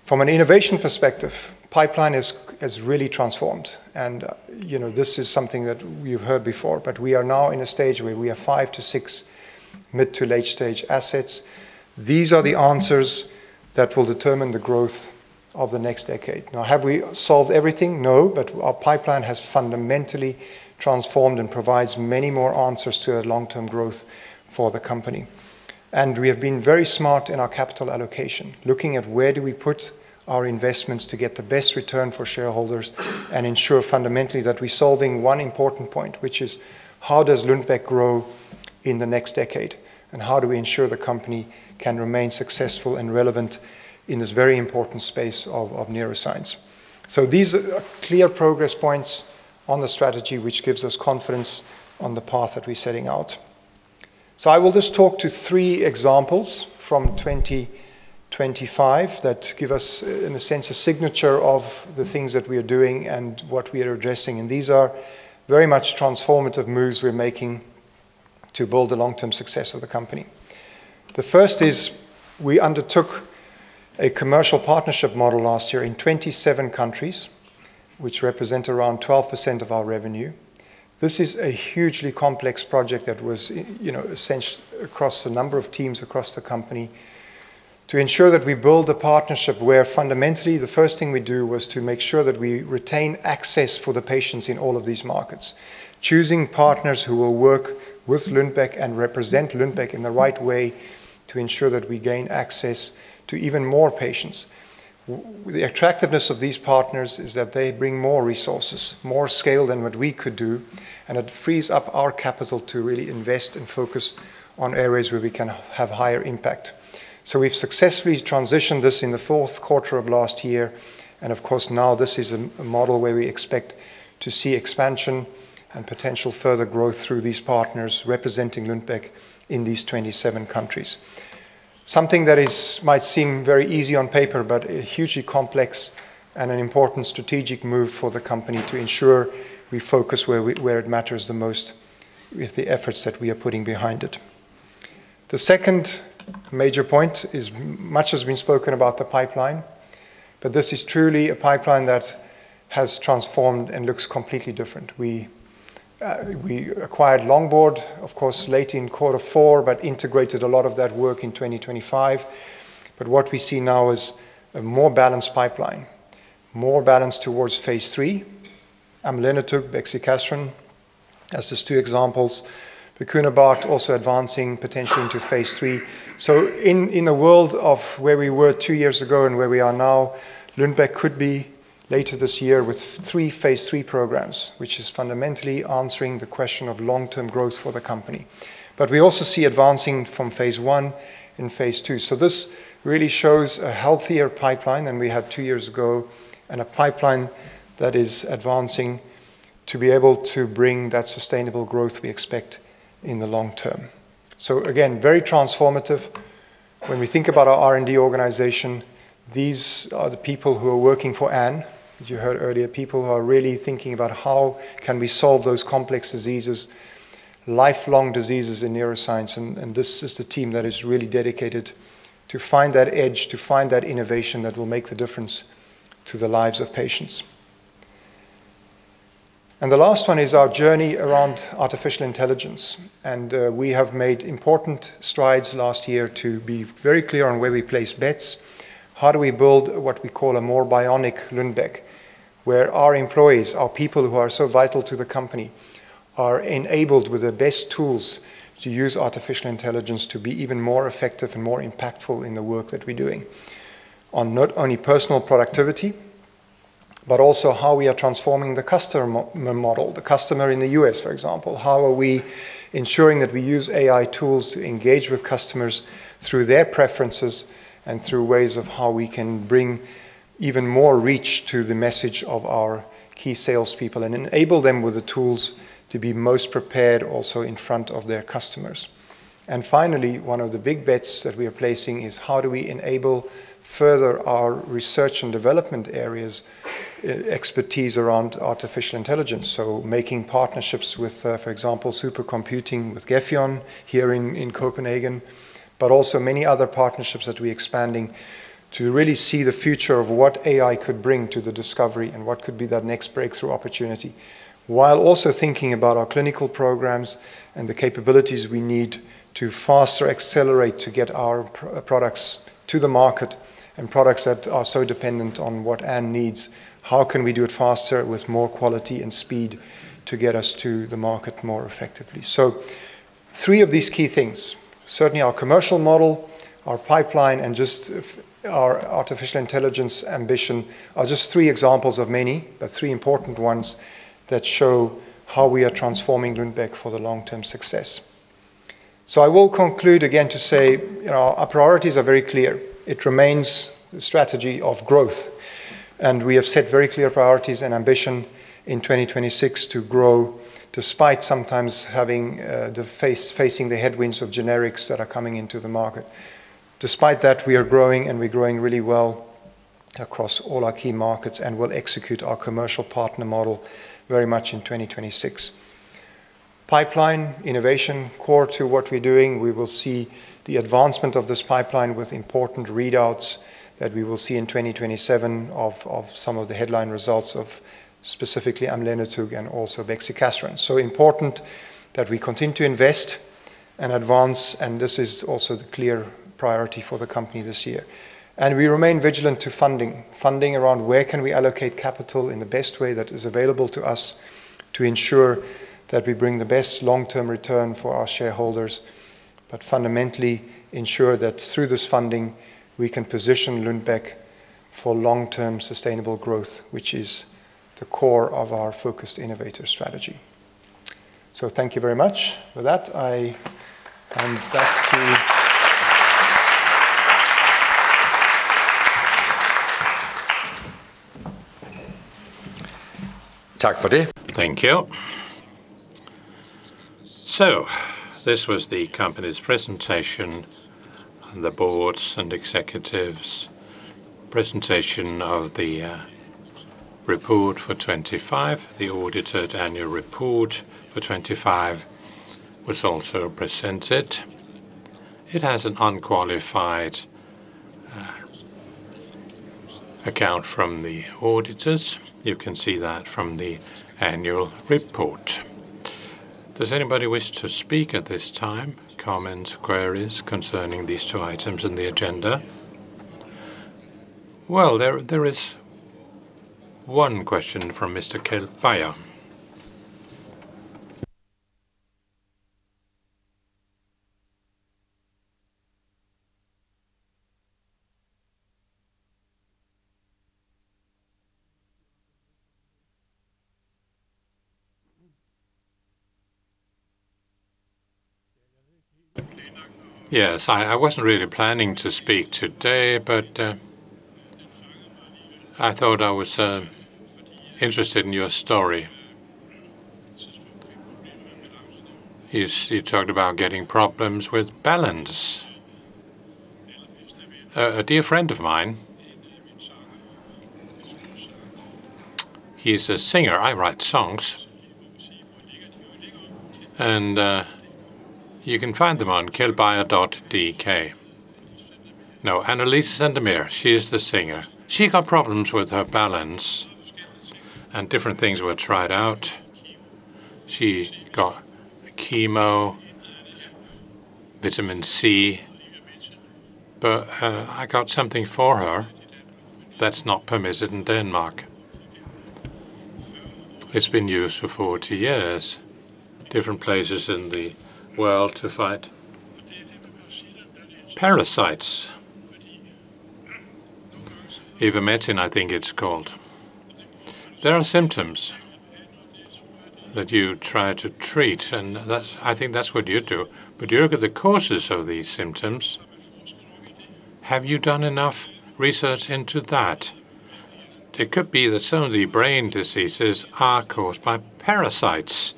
From an innovation perspective, pipeline has really transformed. You know, this is something that you've heard before, but we are now in a stage where we have five to six mid- to late-stage assets. These are the answers that will determine the growth of the next decade. Now, have we solved everything? No. Our pipeline has fundamentally transformed and provides many more answers to long-term growth for the company. We have been very smart in our capital allocation, looking at where do we put our investments to get the best return for shareholders and ensure fundamentally that we're solving one important point, which is how does Lundbeck grow in the next decade, and how do we ensure the company can remain successful and relevant in this very important space of neuroscience. These are clear progress points on the strategy, which gives us confidence on the path that we're setting out. I will just talk to three examples from 2025 that give us in a sense a signature of the things that we are doing and what we are addressing. These are very much transformative moves we're making to build the long-term success of the company. The first is we undertook a commercial partnership model last year in 27 countries, which represent around 12% of our revenue. This is a hugely complex project that was, you know, across a number of teams across the company to ensure that we build a partnership where fundamentally the first thing we do was to make sure that we retain access for the patients in all of these markets, choosing partners who will work with Lundbeck and represent Lundbeck in the right way to ensure that we gain access to even more patients. The attractiveness of these partners is that they bring more resources, more scale than what we could do, and it frees up our capital to really invest and focus on areas where we can have higher impact. We've successfully transitioned this in the fourth quarter of last year, and of course, now this is a model where we expect to see expansion and potential further growth through these partners representing Lundbeck in these 27 countries. Something that might seem very easy on paper, but a hugely complex and an important strategic move for the company to ensure we focus where it matters the most with the efforts that we are putting behind it. The second major point is much has been spoken about the pipeline, but this is truly a pipeline that has transformed and looks completely different. We acquired Longboard, of course, late in Q4, but integrated a lot of that work in 2025. What we see now is a more balanced pipeline, more balanced towards phase III. Amlenetug, bexicaserin as just two examples. Bocunebart also advancing potentially into phase III. In a world where we were two years ago and where we are now, Lundbeck could be later this year with three phase III programs, which is fundamentally answering the question of long-term growth for the company. We also see advancing from phase I and phase II. This really shows a healthier pipeline than we had two years ago and a pipeline that is advancing to be able to bring that sustainable growth we expect in the long term. Again, very transformative. When we think about our R&D organization, these are the people who are working for Anne, as you heard earlier, people who are really thinking about how can we solve those complex diseases, lifelong diseases in neuroscience, and this is the team that is really dedicated to find that edge, to find that innovation that will make the difference to the lives of patients. The last one is our journey around artificial intelligence, and we have made important strides last year to be very clear on where we place bets. How do we build what we call a more bionic Lundbeck, where our employees, our people who are so vital to the company, are enabled with the best tools to use artificial intelligence to be even more effective and more impactful in the work that we're doing on not only personal productivity, but also how we are transforming the customer model, the customer in the U.S., for example. How are we ensuring that we use AI tools to engage with customers through their preferences and through ways of how we can bring even more reach to the message of our key salespeople and enable them with the tools to be most prepared also in front of their customers. Finally, one of the big bets that we are placing is how do we enable further our research and development areas, expertise around artificial intelligence. Making partnerships with, for example, supercomputing with Gefion here in Copenhagen, but also many other partnerships that we're expanding to really see the future of what AI could bring to the discovery and what could be that next breakthrough opportunity. While also thinking about our clinical programs and the capabilities we need to faster accelerate to get our products to the market and products that are so dependent on what Anne needs, how can we do it faster with more quality and speed to get us to the market more effectively? Three of these key things, certainly our commercial model, our pipeline, and just our artificial intelligence ambition are just three examples of many, but three important ones that show how we are transforming Lundbeck for the long-term success. I will conclude again to say, you know, our priorities are very clear. It remains the strategy of growth, and we have set very clear priorities and ambition in 2026 to grow despite sometimes facing the headwinds of generics that are coming into the market. Despite that, we are growing, and we're growing really well across all our key markets and will execute our commercial partner model very much in 2026. Pipeline innovation core to what we're doing. We will see the advancement of this pipeline with important readouts that we will see in 2027 of some of the headline results of specifically amlenetug and also bexicaserin. Important that we continue to invest and advance, and this is also the clear priority for the company this year. We remain vigilant to funding: funding around where can we allocate capital in the best way that is available to us to ensure that we bring the best long-term return for our shareholders, but fundamentally ensure that through this funding, we can position Lundbeck for long-term sustainable growth, which is the core of our Focused Innovator Strategy. Thank you very much. With that, I come back to— Thank you. This was the company's presentation, the Board's and executives' presentation of the report for 2025. The audited annual report for 2025 was also presented. It has an unqualified account from the auditors. You can see that from the annual report. Does anybody wish to speak at this time? Comments, queries concerning these two items in the agenda? Well, there is one question from Mr. Kjeld Beyer. Yes. I wasn't really planning to speak today, but I thought I was interested in your story. You talked about getting problems with balance. A dear friend of mine, he's a singer. I write songs. You can find them on keldbeyer.dk. No, Annelies Van der Meer, she is the singer. She got problems with her balance, and different things were tried out. She got chemo, vitamin C, but I got something for her that's not permitted in Denmark. It's been used for 40 years, different places in the world to fight parasites. Ivermectin, I think it's called. There are symptoms that you try to treat, and that's what you do. I think that's what you do. Do you look at the causes of these symptoms? Have you done enough research into that? It could be that some of the brain diseases are caused by parasites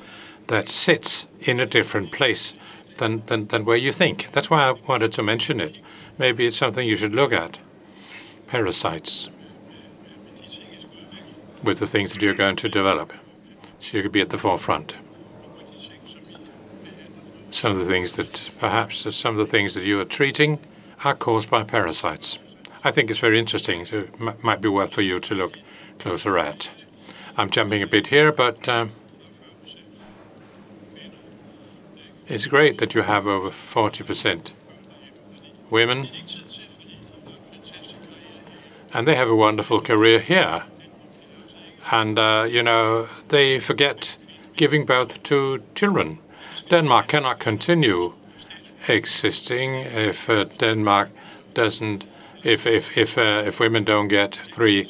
that sits in a different place than where you think. That's why I wanted to mention it. Maybe it's something you should look at, parasites, with the things that you're going to develop, so you could be at the forefront. Some of the things that perhaps you are treating are caused by parasites. I think it's very interesting, so might be worth for you to look closer at. I'm jumping a bit here, but it's great that you have over 40% women, and they have a wonderful career here. You know, they forget giving birth to children. Denmark cannot continue existing if Denmark doesn't. If women don't get three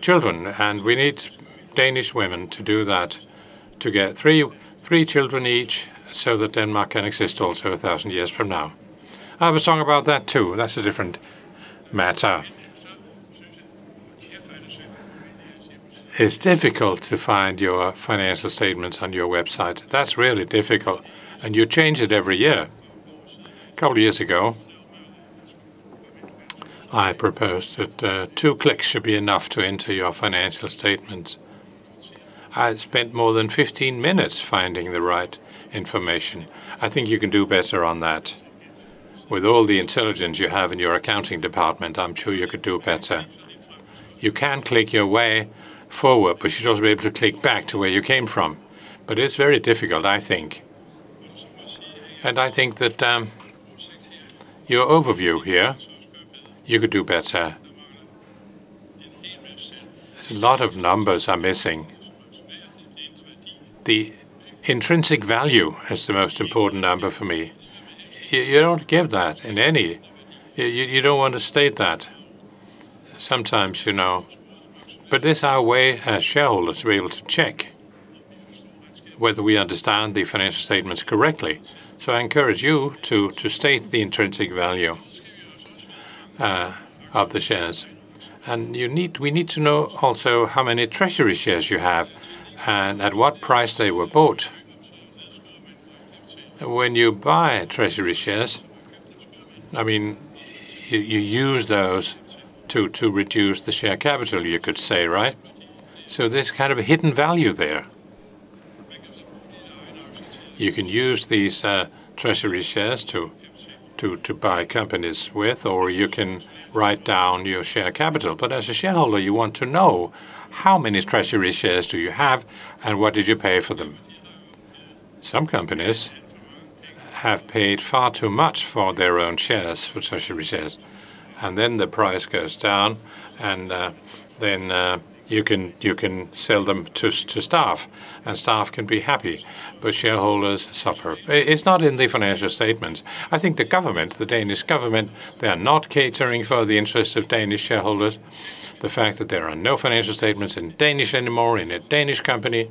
children, and we need Danish women to do that to get three children each so that Denmark can exist also 1,000 years from now. I have a song about that too. That's a different matter. It's difficult to find your financial statements on your website. That's really difficult. You change it every year. A couple years ago, I proposed that two clicks should be enough to enter your financial statements. I had spent more than 15 minutes finding the right information. I think you can do better on that. With all the intelligence you have in your accounting department, I'm sure you could do better. You can click your way forward, but you should also be able to click back to where you came from. It's very difficult, I think. I think that your overview here, you could do better. There's a lot of numbers are missing. The intrinsic value is the most important number for me. You don't give that in any. You don't want to state that sometimes, you know. It's our way as shareholders to be able to check whether we understand the financial statements correctly. I encourage you to state the intrinsic value of the shares. You need, we need to know also how many Treasury shares you have and at what price they were bought. When you buy Treasury shares, I mean, you use those to reduce the share capital, you could say, right? There's kind of a hidden value there. You can use these Treasury shares to buy companies with, or you can write down your share capital. As a shareholder, you want to know how many Treasury shares do you have, and what did you pay for them? Some companies have paid far too much for their own shares, for Treasury shares, and then the price goes down, and then you can sell them to staff, and staff can be happy, but shareholders suffer. It's not in the financial statements. I think the government, the Danish government, they are not catering for the interests of Danish shareholders. The fact that there are no financial statements in Danish anymore in a Danish company,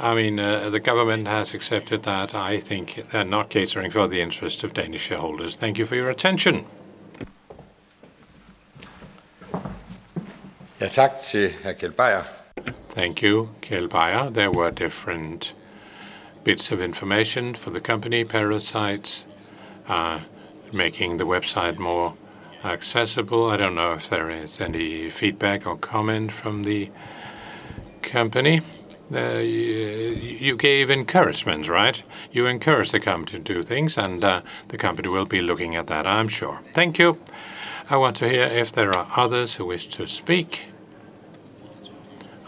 I mean, the government has accepted that. I think they're not catering for the interests of Danish shareholders. Thank you for your attention. Thank you, Kjeld Beyer. There were different bits of information for the company, proposals, making the website more accessible. I don't know if there is any feedback or comment from the company. You gave encouragements, right? You encouraged the company to do things, and the company will be looking at that, I'm sure. Thank you. I want to hear if there are others who wish to speak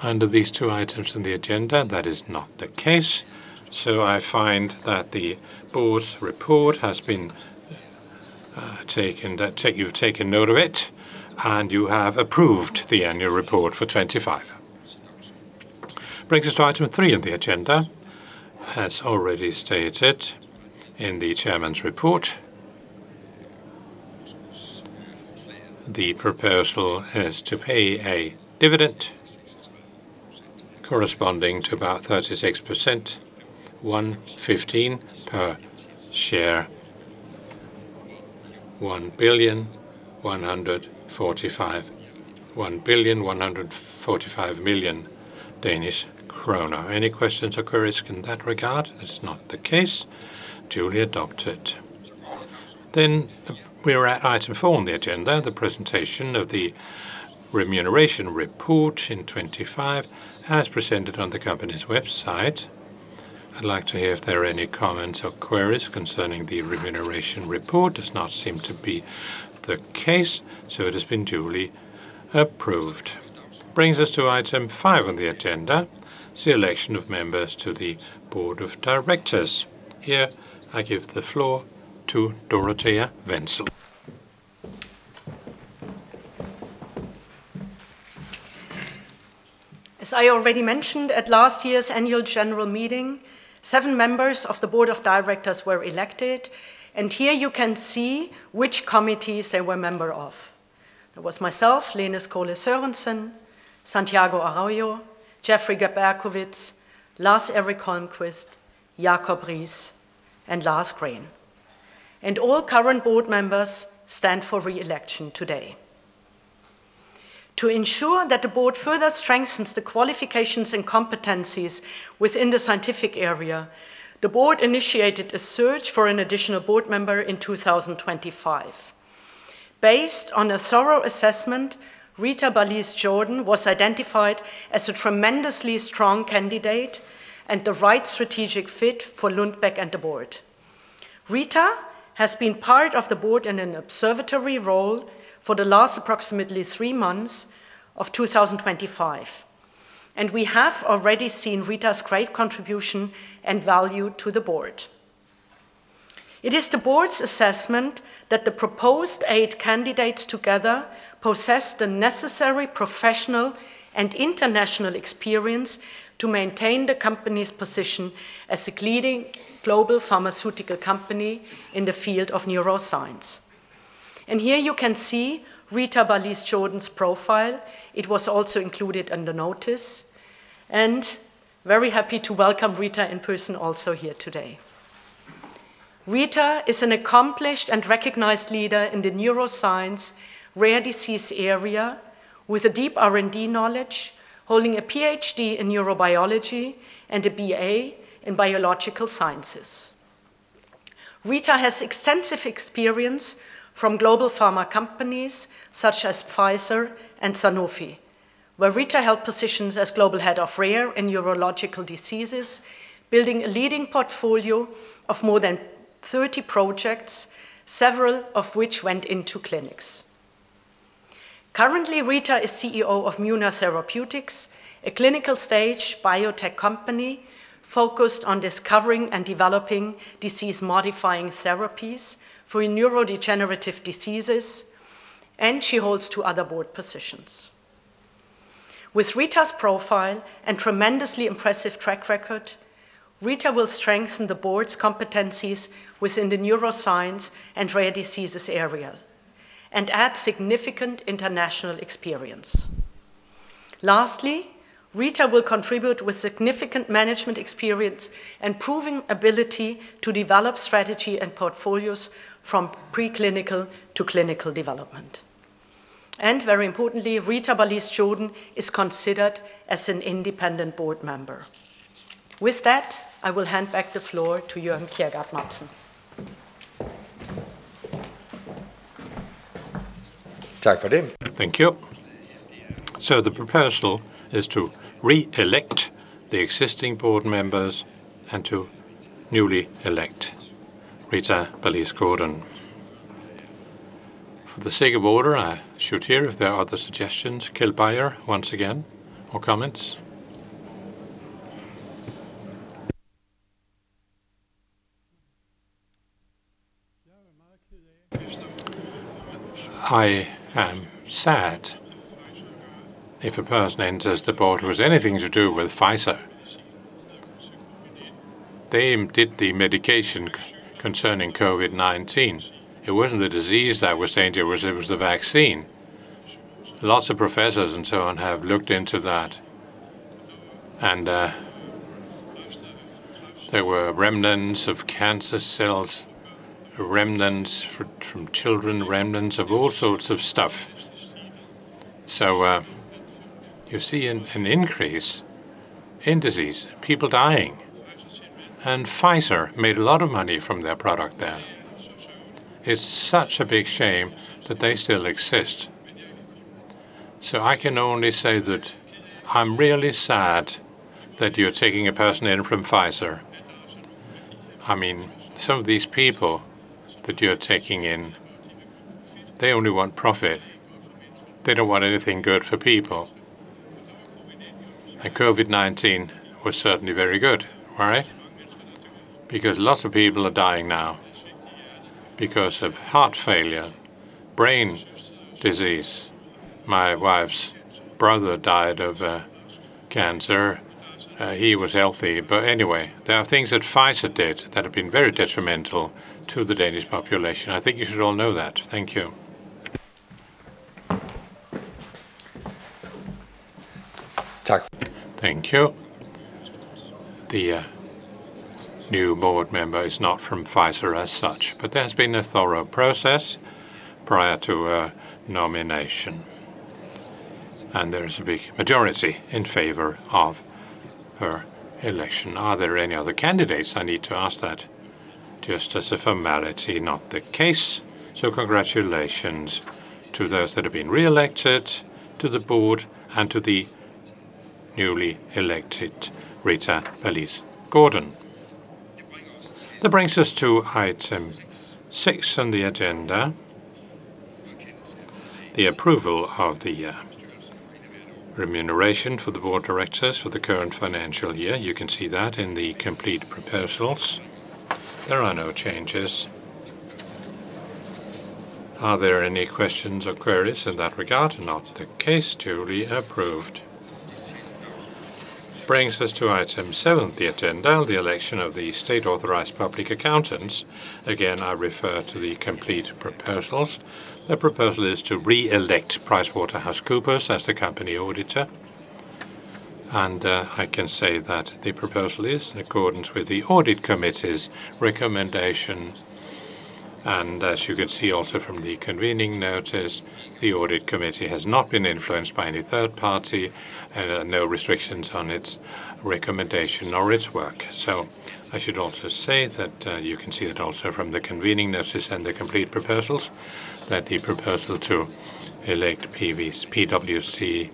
under these two items on the agenda. That is not the case. I find that the Board's report has been taken. You've taken note of it, and you have approved the annual report for 2025. Brings us to item 3 on the agenda. As already stated in the chairman's report, the proposal is to pay a dividend corresponding to about 36%, 115 per share. 1,145 million Danish kroner. Any questions or queries in that regard? That's not the case. Duly adopted. We are at item 4 on the agenda, the presentation of the remuneration report in 2025 as presented on the company's website. I'd like to hear if there are any comments or queries concerning the remuneration report. Does not seem to be the case, so it has been duly approved. Brings us to item 5 on the agenda, the election of members to the Board of Directors. Here I give the floor to Dorothea Wenzel. As I already mentioned at last year's annual general meeting, seven members of the Board of Directors were elected, and here you can see which committees they were members of. It was myself, Lene Skole-Sørensen, Santiago Arroyo, Jeffrey Berkowitz, Lars Erik Holmqvist, Jakob Riis, and Lars Green. All current board members stand for re-election today. To ensure that the Board further strengthens the qualifications and competencies within the scientific area, the Board initiated a search for an additional board member in 2025. Based on a thorough assessment, Rita Balice-Gordon was identified as a tremendously strong candidate and the right strategic fit for Lundbeck and the Board. Rita has been part of the Board in an observer role for the last approximately three months of 2025, and we have already seen Rita's great contribution and value to the Board. It is the Board's assessment that the proposed eight candidates together possess the necessary professional and international experience to maintain the company's position as a leading global pharmaceutical company in the field of neuroscience. Here you can see Rita Balice-Gordon's profile. It was also included in the notice. Very happy to welcome Rita in person also here today. Rita is an accomplished and recognized leader in the neuroscience rare disease area with a deep R&D knowledge, holding a PhD in neurobiology and a BA in biological sciences. Rita has extensive experience from global pharma companies such as Pfizer and Sanofi, where Rita held positions as Global Head of Rare and Neurological Diseases, building a leading portfolio of more than 30 projects, several of which went into clinics. Currently, Rita is CEO of Muna Therapeutics, a clinical-stage biotech company focused on discovering and developing disease-modifying therapies for neurodegenerative diseases, and she holds two other board positions. With Rita's profile and tremendously impressive track record, Rita will strengthen the Board's competencies within the neuroscience and rare diseases area and add significant international experience. Lastly, Rita will contribute with significant management experience and proven ability to develop strategy and portfolios from preclinical to clinical development. Very importantly, Rita Balice-Gordon is considered as an independent board member. With that, I will hand back the floor to Jørgen Kjergaard Madsen. Thank you. The proposal is to re-elect the existing board members and to newly elect Rita Balice-Gordon. For the sake of order, I should hear if there are other suggestions. Kjeld Beyer, once again, or comments? I am sad if a person enters the board who has anything to do with Pfizer. They did the medication concerning COVID-19. It wasn't the disease that was dangerous, it was the vaccine. Lots of professors and so on have looked into that. There were remnants of cancer cells, remnants from children, remnants of all sorts of stuff. You see an increase in disease, people dying. Pfizer made a lot of money from their product there. It's such a big shame that they still exist. I can only say that I'm really sad that you're taking a person in from Pfizer. I mean, some of these people that you're taking in, they only want profit. They don't want anything good for people. COVID-19 was certainly very good, right? Because lots of people are dying now because of heart failure, brain disease. My wife's brother died of cancer. He was healthy. Anyway, there are things that Pfizer did that have been very detrimental to the Danish population. I think you should all know that. Thank you. Thank you. The new board member is not from Pfizer as such, but there's been a thorough process prior to nomination. There is a big majority in favor of her election. Are there any other candidates? I need to ask that just as a formality. Not the case. Congratulations to those that have been re-elected to the board and to the newly elected Rita Balice-Gordon. That brings us to item six on the agenda, the approval of the remuneration for the Board of Directors for the current financial year. You can see that in the complete proposals. There are no changes. Are there any questions or queries in that regard? No. The case to be approved. Brings us to item 7 of the agenda, the election of the state-authorized public accountants. Again, I refer to the complete proposals. The proposal is to re-elect PricewaterhouseCoopers as the company auditor. I can say that the proposal is in accordance with the audit committee's recommendation. As you can see also from the convening notice, the audit committee has not been influenced by any third party, no restrictions on its recommendation or its work. I should also say that, you can see that also from the convening notice and the complete proposals that the proposal to elect PwC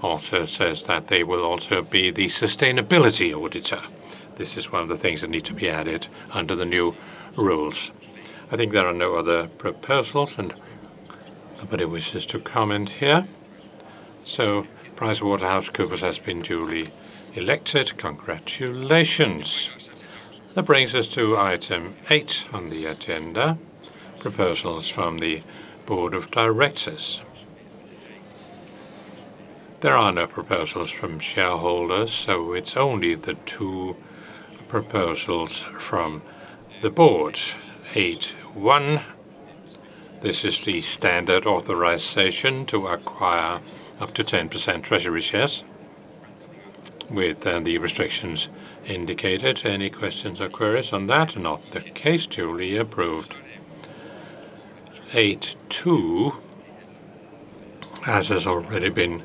also says that they will also be the sustainability auditor. This is one of the things that need to be added under the new rules. I think there are no other proposals, and nobody wishes to comment here. PricewaterhouseCoopers has been duly elected. Congratulations. That brings us to item 8 on the agenda, proposals from the Board of Directors. There are no proposals from shareholders, so it's only the two proposals from the Board. Item 8.1, this is the standard authorization to acquire up to 10% Treasury shares with, the restrictions indicated. Any questions or queries on that? No. The case to be approved. Item 8.2, as has already been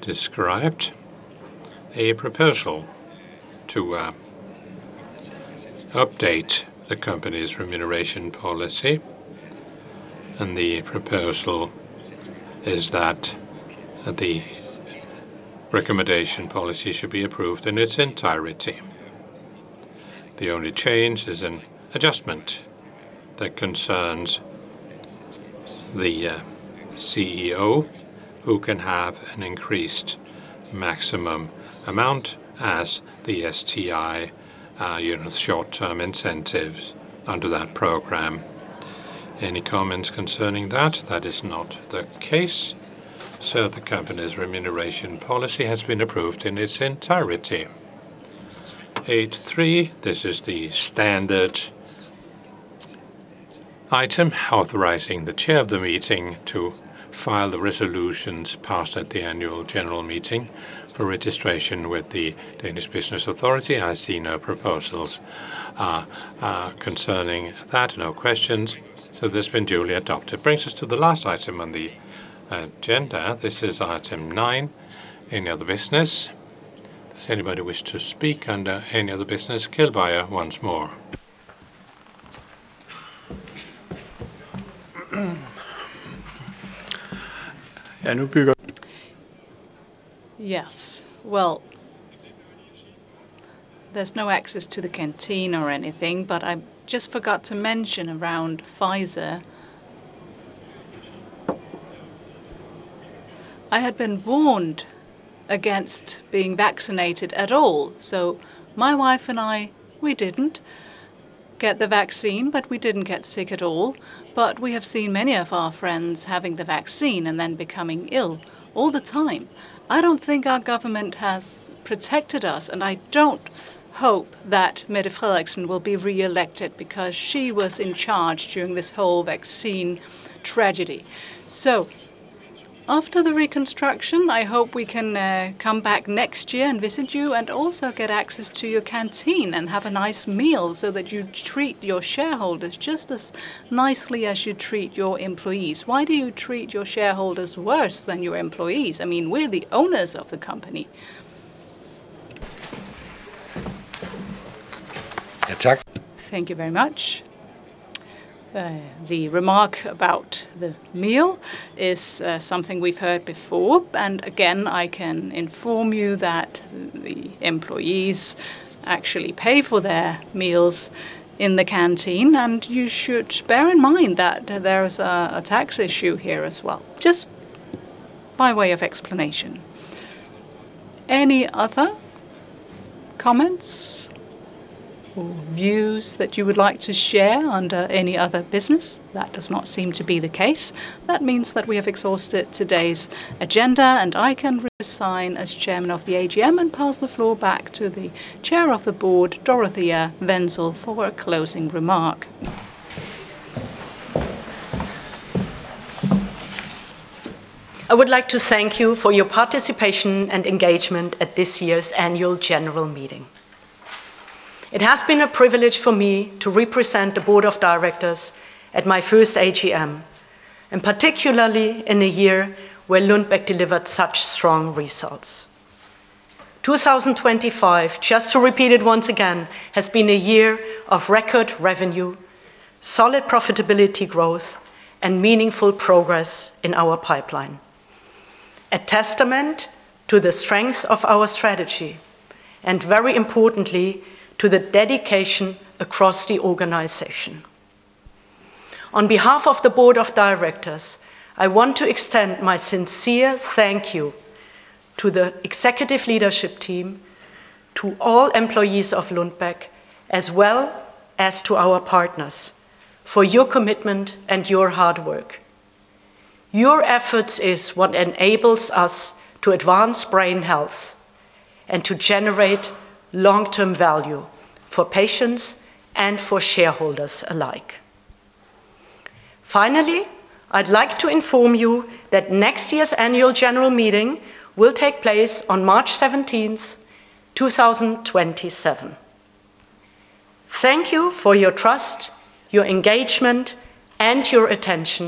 described, a proposal to update the company's remuneration policy, and the proposal is that the remuneration policy should be approved in its entirety. The only change is an adjustment that concerns the CEO, who can have an increased maximum amount as the STI, you know, short-term incentives under that program. Any comments concerning that? That is not the case. The company's remuneration policy has been approved in its entirety. Item 8.3, this is the standard item authorizing the chair of the meeting to file the resolutions passed at the annual general meeting for registration with the Danish Business Authority. I see no proposals concerning that. No questions. That's been duly adopted. Brings us to the last item on the agenda. This is item 9, any other business. Does anybody wish to speak under any other business? Kjeld Beyer once more. Yes. Well, there's no access to the canteen or anything, but I just forgot to mention around Pfizer. I had been warned against being vaccinated at all. My wife and I, we didn't get the vaccine, but we didn't get sick at all. We have seen many of our friends having the vaccine and then becoming ill all the time. I don't think our government has protected us, and I don't hope that Mette Frederiksen will be reelected because she was in charge during this whole vaccine tragedy. After the reconstruction, I hope we can come back next year and visit you, and also get access to your canteen and have a nice meal so that you treat your shareholders just as nicely as you treat your employees. Why do you treat your shareholders worse than your employees? I mean, we're the owners of the company. Thank you very much. The remark about the meal is something we've heard before, and again, I can inform you that the employees actually pay for their meals in the canteen. You should bear in mind that there is a tax issue here as well, just by way of explanation. Any other comments or views that you would like to share under any other business? That does not seem to be the case. That means that we have exhausted today's agenda, and I can resign as Chairman of the AGM and pass the floor back to the Chair of the Board, Dorothea Wenzel, for a closing remark. I would like to thank you for your participation and engagement at this year's annual general meeting. It has been a privilege for me to represent the Board of Directors at my first AGM, and particularly in a year where Lundbeck delivered such strong results. 2025, just to repeat it once again, has been a year of record revenue, solid profitability growth, and meaningful progress in our pipeline, a testament to the strength of our strategy and, very importantly, to the dedication across the organization. On behalf of the Board of Directors, I want to extend my sincere thank you to the executive leadership team, to all employees of Lundbeck, as well as to our partners for your commitment and your hard work. Your efforts is what enables us to advance brain health and to generate long-term value for patients and for shareholders alike. Finally, I'd like to inform you that next year's Annual General Meeting will take place on March 17th, 2027. Thank you for your trust, your engagement, and your attention.